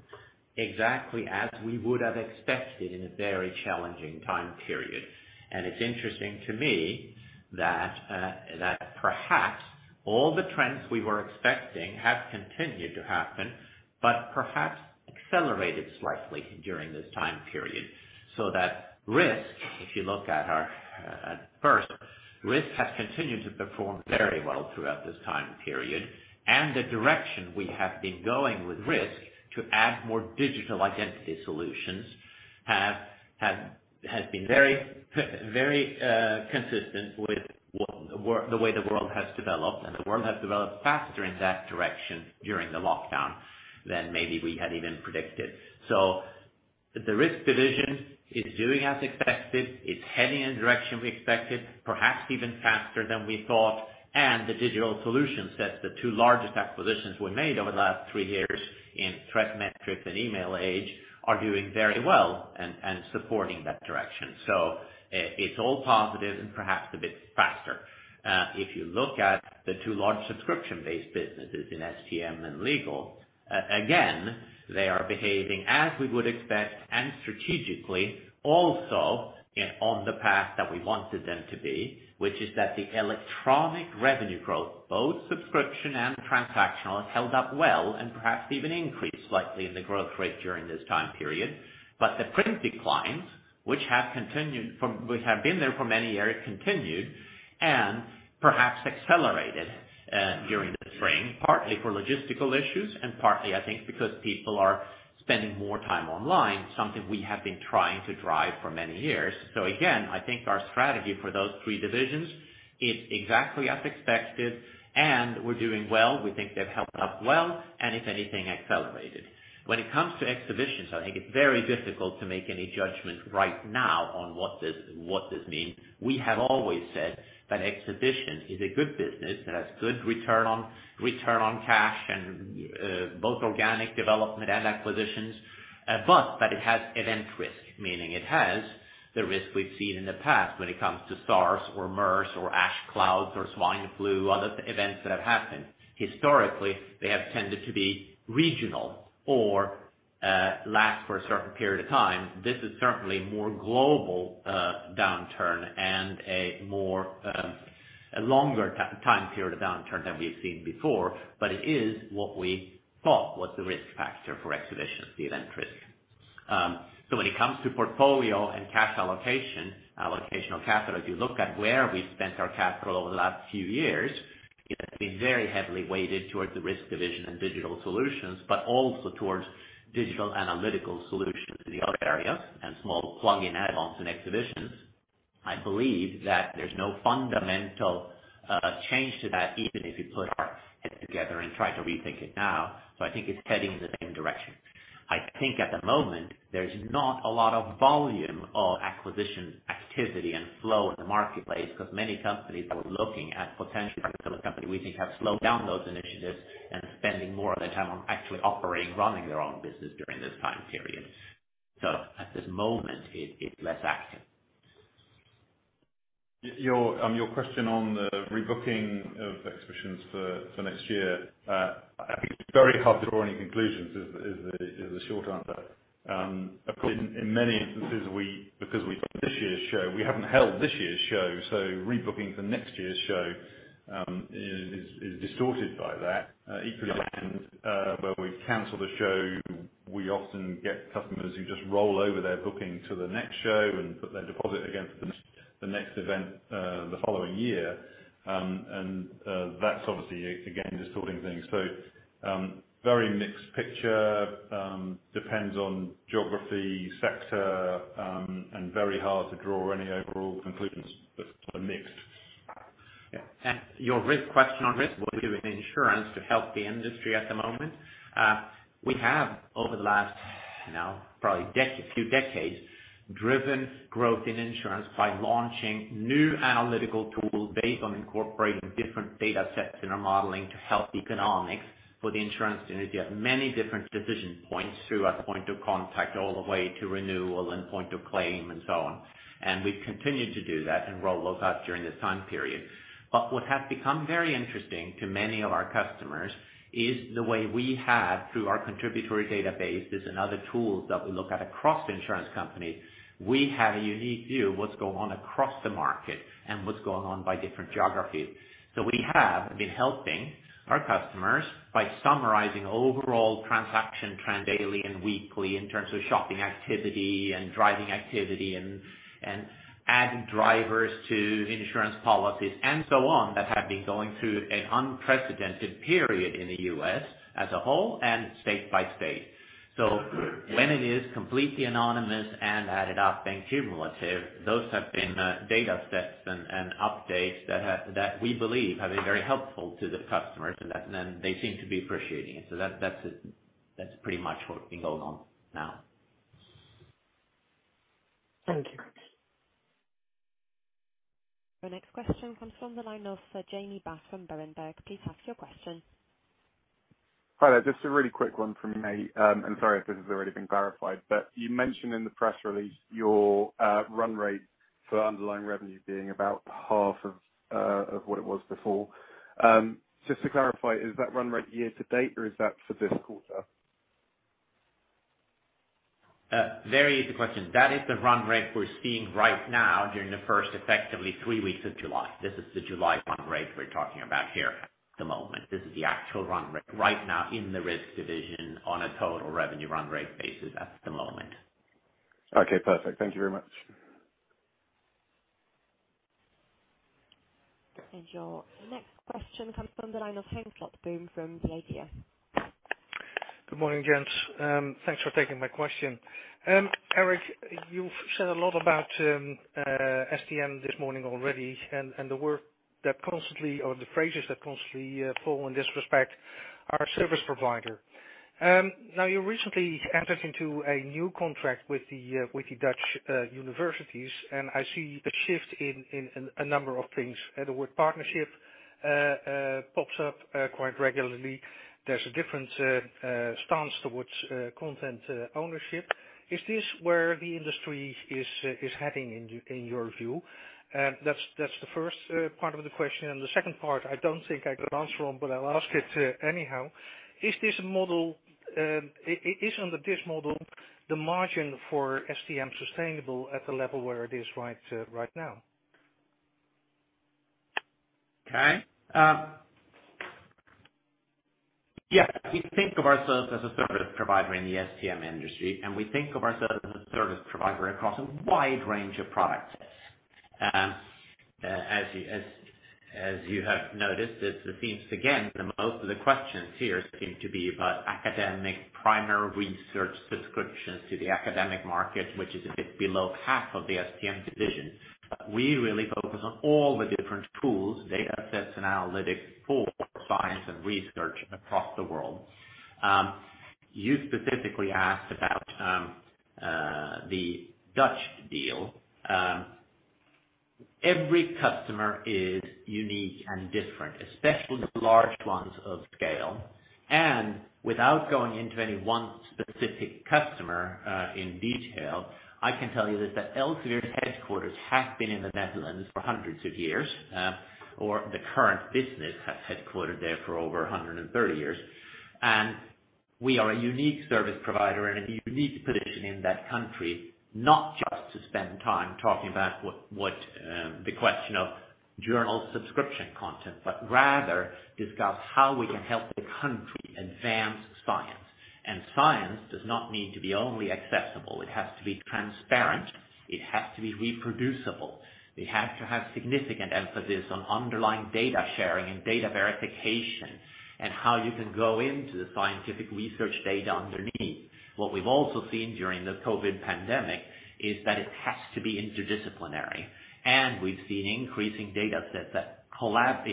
exactly as we would have expected in a very challenging time period. It's interesting to me that perhaps all the trends we were expecting have continued to happen, but perhaps accelerated slightly during this time period. That risk, if you look at first, risk has continued to perform very well throughout this time period. The direction we have been going with risk to add more digital identity solutions has been very consistent with the way the world has developed. The world has developed faster in that direction during the lockdown than maybe we had even predicted. The risk division is doing as expected. It's heading in the direction we expected, perhaps even faster than we thought, and the digital solution sets, the two largest acquisitions we made over the last three years in ThreatMetrix and Emailage are doing very well and supporting that direction. It's all positive and perhaps a bit faster. If you look at the two large subscription-based businesses in STM and Legal, again, they are behaving as we would expect and strategically also on the path that we wanted them to be, which is that the electronic revenue growth, both subscription and transactional, held up well and perhaps even increased slightly in the growth rate during this time period. The print declines, which have been there for many years, continued and perhaps accelerated during the spring, partly for logistical issues and partly, I think, because people are spending more time online, something we have been trying to drive for many years. Again, I think our strategy for those three divisions is exactly as expected, and we're doing well. We think they've held up well, and if anything, accelerated. When it comes to exhibitions, I think it's very difficult to make any judgment right now on what this means. We have always said that exhibition is a good business that has good return on cash and both organic development and acquisitions, but that it has event risk, meaning it has the risk we've seen in the past when it comes to SARS or MERS or ash clouds or swine flu, other events that have happened. Historically, they have tended to be regional or last for a certain period of time. This is certainly a more global downturn and a longer time period of downturn than we've seen before. It is what we thought was the risk factor for exhibitions, the event risk. When it comes to portfolio and cash allocation of capital, if you look at where we spent our capital over the last few years, it has been very heavily weighted towards the Risk division and digital solutions, but also towards digital analytical solutions in the other areas, and small plug-in add-ons and exhibitions. I believe that there's no fundamental change to that, even if you put our heads together and try to rethink it now. I think it's heading in the same direction. I think at the moment, there's not a lot of volume of acquisition activity and flow in the marketplace because many companies that were looking at potentially acquiring some company, we think have slowed down those initiatives and spending more of their time on actually operating, running their own business during this time period. At this moment, it's less active. Your question on the rebooking of exhibitions for next year. I think it's very hard to draw any conclusions, is the short answer. In many instances, because we've done this year's show, we haven't held this year's show, so rebooking for next year's show is distorted by that. Equally, where we cancel the show, we often get customers who just roll over their booking to the next show and put their deposit against the next event the following year. That's obviously, again, distorting things. Very mixed picture. Depends on geography, sector, and very hard to draw any overall conclusions, but mixed. Yeah. Your question on risk. What are we doing in insurance to help the industry at the moment? We have over the last few decades, driven growth in insurance by launching new analytical tools based on incorporating different data sets in our modeling to help economics for the insurance industry at many different decision points through our point of contact, all the way to renewal and point of claim and so on. We've continued to do that and roll those out during this time period. What has become very interesting to many of our customers is the way we have, through our contributory databases and other tools that we look at across insurance companies, we have a unique view of what's going on across the market and what's going on by different geographies. We have been helping our customers by summarizing overall transaction trend daily and weekly in terms of shopping activity and driving activity and adding drivers to insurance policies, and so on, that have been going through an unprecedented period in the U.S. as a whole and state by state. When it is completely anonymous and added up being cumulative, those have been data sets and updates that we believe have been very helpful to the customers, and they seem to be appreciating it. That's pretty much what's been going on now. Thank you. Our next question comes from the line of Jamie Bass from Berenberg. Please ask your question. Hi there. Just a really quick one from me, and sorry if this has already been clarified, but you mentioned in the press release your run rate for underlying revenue being about half of what it was before. Just to clarify, is that run rate year to date, or is that for this quarter? Very easy question. That is the run rate we're seeing right now during the first effectively three weeks of July. This is the July run rate we're talking about here at the moment. This is the actual run rate right now in the Risk division on a total revenue run rate basis at the moment. Okay, perfect. Thank you very much. Your next question comes from the line of Henk Slotboom from The IDEA!. Good morning, gents. Thanks for taking my question. Erik, you've said a lot about STM this morning already, and the phrases that constantly fall in this respect are service provider. Now you recently entered into a new contract with the Dutch universities, and I see a shift in a number of things. The word partnership pops up quite regularly. There's a different stance towards content ownership. Is this where the industry is heading in your view? That's the first part of the question. The second part, I don't think I can answer on, but I'll ask it anyhow. Is under this model, the margin for STM sustainable at the level where it is right now? Okay. Yes. We think of ourselves as a service provider in the STM industry, and we think of ourselves as a service provider across a wide range of product sets. As you have noticed, it seems, again, the most of the questions here seem to be about academic primary research subscriptions to the academic market, which is a bit below half of the STM division. We really focus on all the different tools, data sets, and analytics for science and research across the world. You specifically asked about the Dutch deal. Every customer is unique and different, especially the large ones of scale. Without going into any one specific customer, in detail, I can tell you that the Elsevier headquarters have been in the Netherlands for hundreds of years, or the current business has headquartered there for over 130 years. We are a unique service provider in a unique position in that country, not just to spend time talking about the question of journal subscription content, but rather discuss how we can help the country advance science. Science does not need to be only accessible. It has to be transparent. It has to be reproducible. We have to have significant emphasis on underlying data sharing and data verification and how you can go into the scientific research data underneath. What we've also seen during the COVID pandemic is that it has to be interdisciplinary. It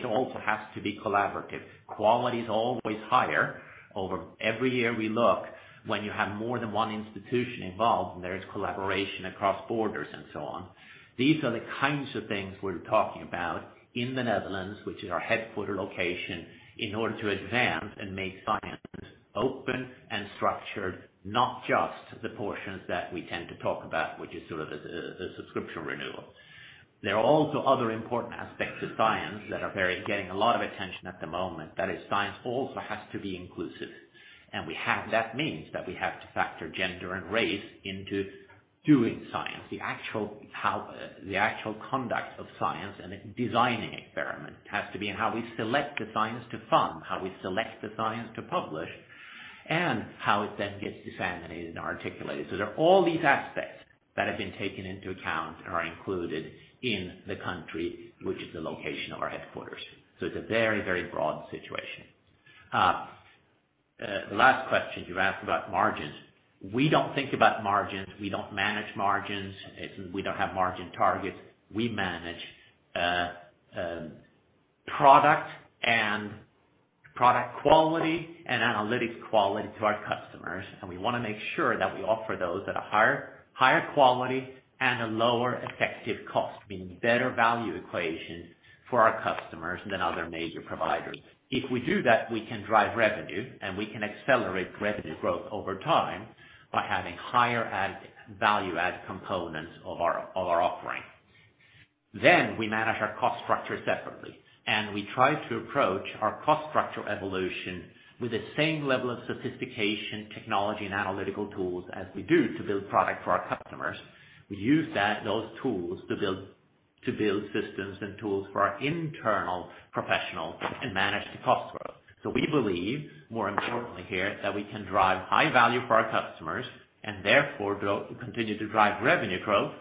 also has to be collaborative. Quality is always higher over every year we look when you have more than one institution involved and there is collaboration across borders and so on. These are the kinds of things we're talking about in the Netherlands, which is our headquarter location, in order to advance and make science open and structured, not just the portions that we tend to talk about, which is sort of the subscription renewal. There are also other important aspects of science that are getting a lot of attention at the moment. That is, science also has to be inclusive. That means that we have to factor gender and race into doing science. The actual conduct of science and designing experiment has to be in how we select the science to fund, how we select the science to publish, and how it then gets disseminated and articulated. There are all these aspects that have been taken into account and are included in the country, which is the location of our headquarters. It's a very broad situation. The last question you asked about margins. We don't think about margins. We don't manage margins. We don't have margin targets. We manage product and product quality and analytics quality to our customers, and we want to make sure that we offer those at a higher quality and a lower effective cost, meaning better value equation for our customers than other major providers. If we do that, we can drive revenue, and we can accelerate revenue growth over time by having higher value add components of our offering. We manage our cost structure separately, and we try to approach our cost structure evolution with the same level of sophistication, technology, and analytical tools as we do to build product for our customers. We use those tools to build systems and tools for our internal professionals and manage the cost growth. We believe more importantly here that we can drive high value for our customers and therefore continue to drive revenue growth,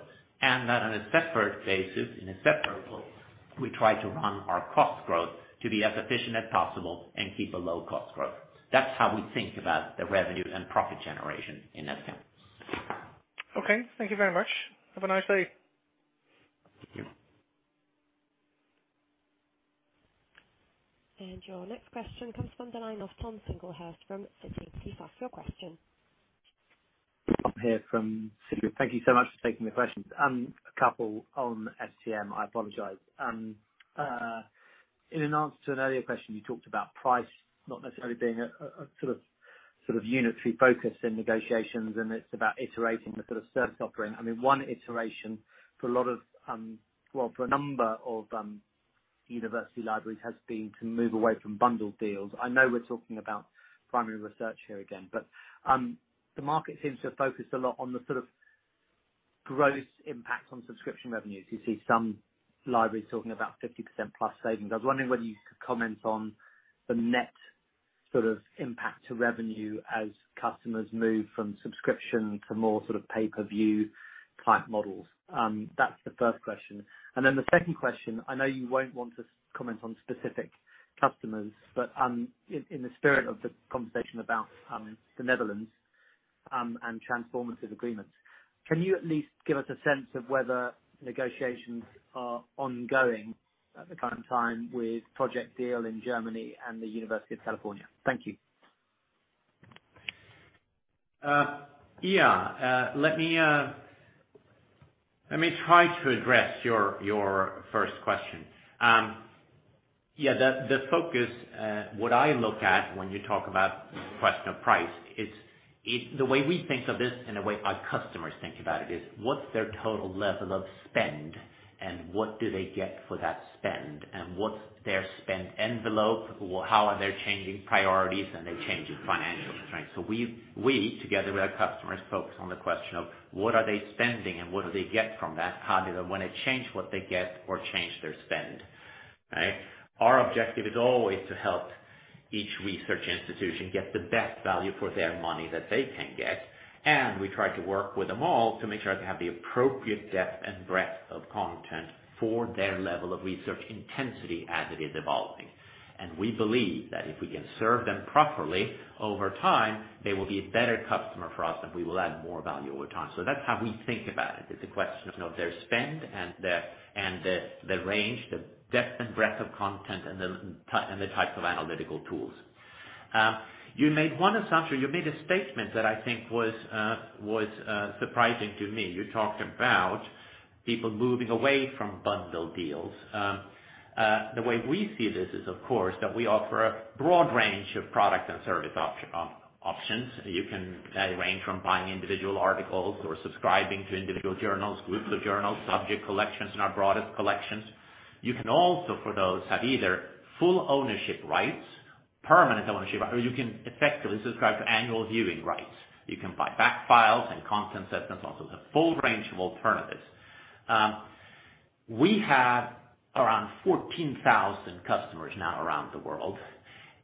and that on a separate basis, in a separate pool, we try to run our cost growth to be as efficient as possible and keep a low cost growth. That is how we think about the revenue and profit generation in that sense. Okay. Thank you very much. Have a nice day. Thank you. Your next question comes from the line of Tom Singlehurst from Citi. Please ask your question. Tom here from Citi. Thank you so much for taking the questions. A couple on STM. I apologize. In an answer to an earlier question, you talked about price not necessarily being a sort of unitary focus in negotiations, and it's about iterating the sort of service offering. I mean, one iteration for a number of university libraries has been to move away from bundled deals. I know we're talking about primary research here again, but the market seems to have focused a lot on the sort of gross impact on subscription revenues. You see some libraries talking about 50% plus savings. I was wondering whether you could comment on the net sort of impact to revenue as customers move from subscription to more sort of pay-per-view type models. That's the first question. The second question, I know you won't want to comment on specific customers, but in the spirit of the conversation about the Netherlands and transformative agreements, can you at least give us a sense of whether negotiations are ongoing at the current time with Projekt DEAL in Germany and the University of California? Thank you. Let me try to address your first question. The focus, what I look at when you talk about question of price is, the way we think of this and the way our customers think about it is, what's their total level of spend and what do they get for that spend, and what's their spend envelope? How are their changing priorities and their changing financials? We, together with our customers, focus on the question of what are they spending and what do they get from that? How do they want to change what they get or change their spend, right? Our objective is always to help each research institution get the best value for their money that they can get, and we try to work with them all to make sure they have the appropriate depth and breadth of content for their level of research intensity as it is evolving. We believe that if we can serve them properly, over time, they will be a better customer for us, and we will add more value over time. That's how we think about it. It's a question of their spend and the range, the depth and breadth of content and the types of analytical tools. You made one assumption. You made a statement that I think was surprising to me. You talked about people moving away from bundle deals. The way we see this is, of course, that we offer a broad range of products and service options. You can range from buying individual articles or subscribing to individual journals, groups of journals, subject collections, and our broadest collections. You can also, for those, have either full ownership rights, permanent ownership rights, or you can effectively subscribe to annual viewing rights. You can buy back files and content sets. That's also the full range of alternatives. We have around 14,000 customers now around the world.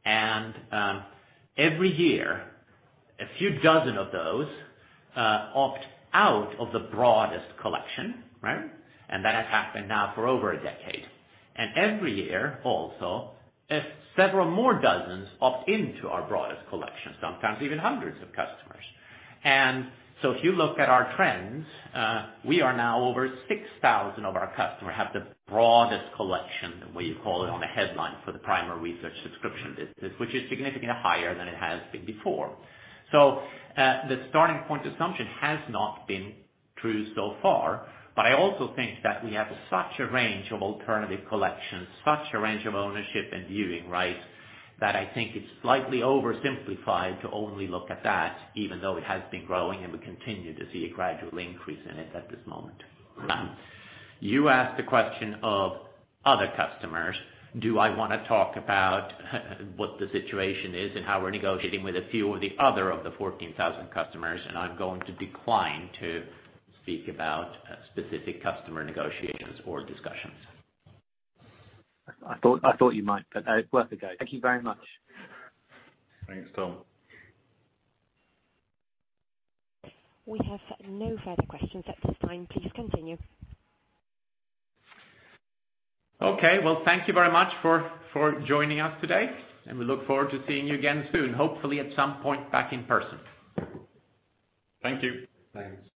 Every year, a few dozen of those opt out of the broadest collection. Right? That has happened now for over a decade. Every year also, several more dozens opt into our broadest collection, sometimes even hundreds of customers. If you look at our trends, we are now over 6,000 of our customers have the broadest collection, the way you call it on the headline for the primary research subscription business, which is significantly higher than it has been before. The starting point assumption has not been true so far, but I also think that we have such a range of alternative collections, such a range of ownership and viewing rights, that I think it's slightly oversimplified to only look at that, even though it has been growing and we continue to see a gradual increase in it at this moment. You asked the question of other customers, do I want to talk about what the situation is and how we're negotiating with a few of the 14,000 customers, and I'm going to decline to speak about specific customer negotiations or discussions. I thought you might, but it's worth a go. Thank you very much. Thanks, Tom. We have no further questions at this time. Please continue. Okay. Well, thank you very much for joining us today, and we look forward to seeing you again soon, hopefully at some point back in person. Thank you. Thanks.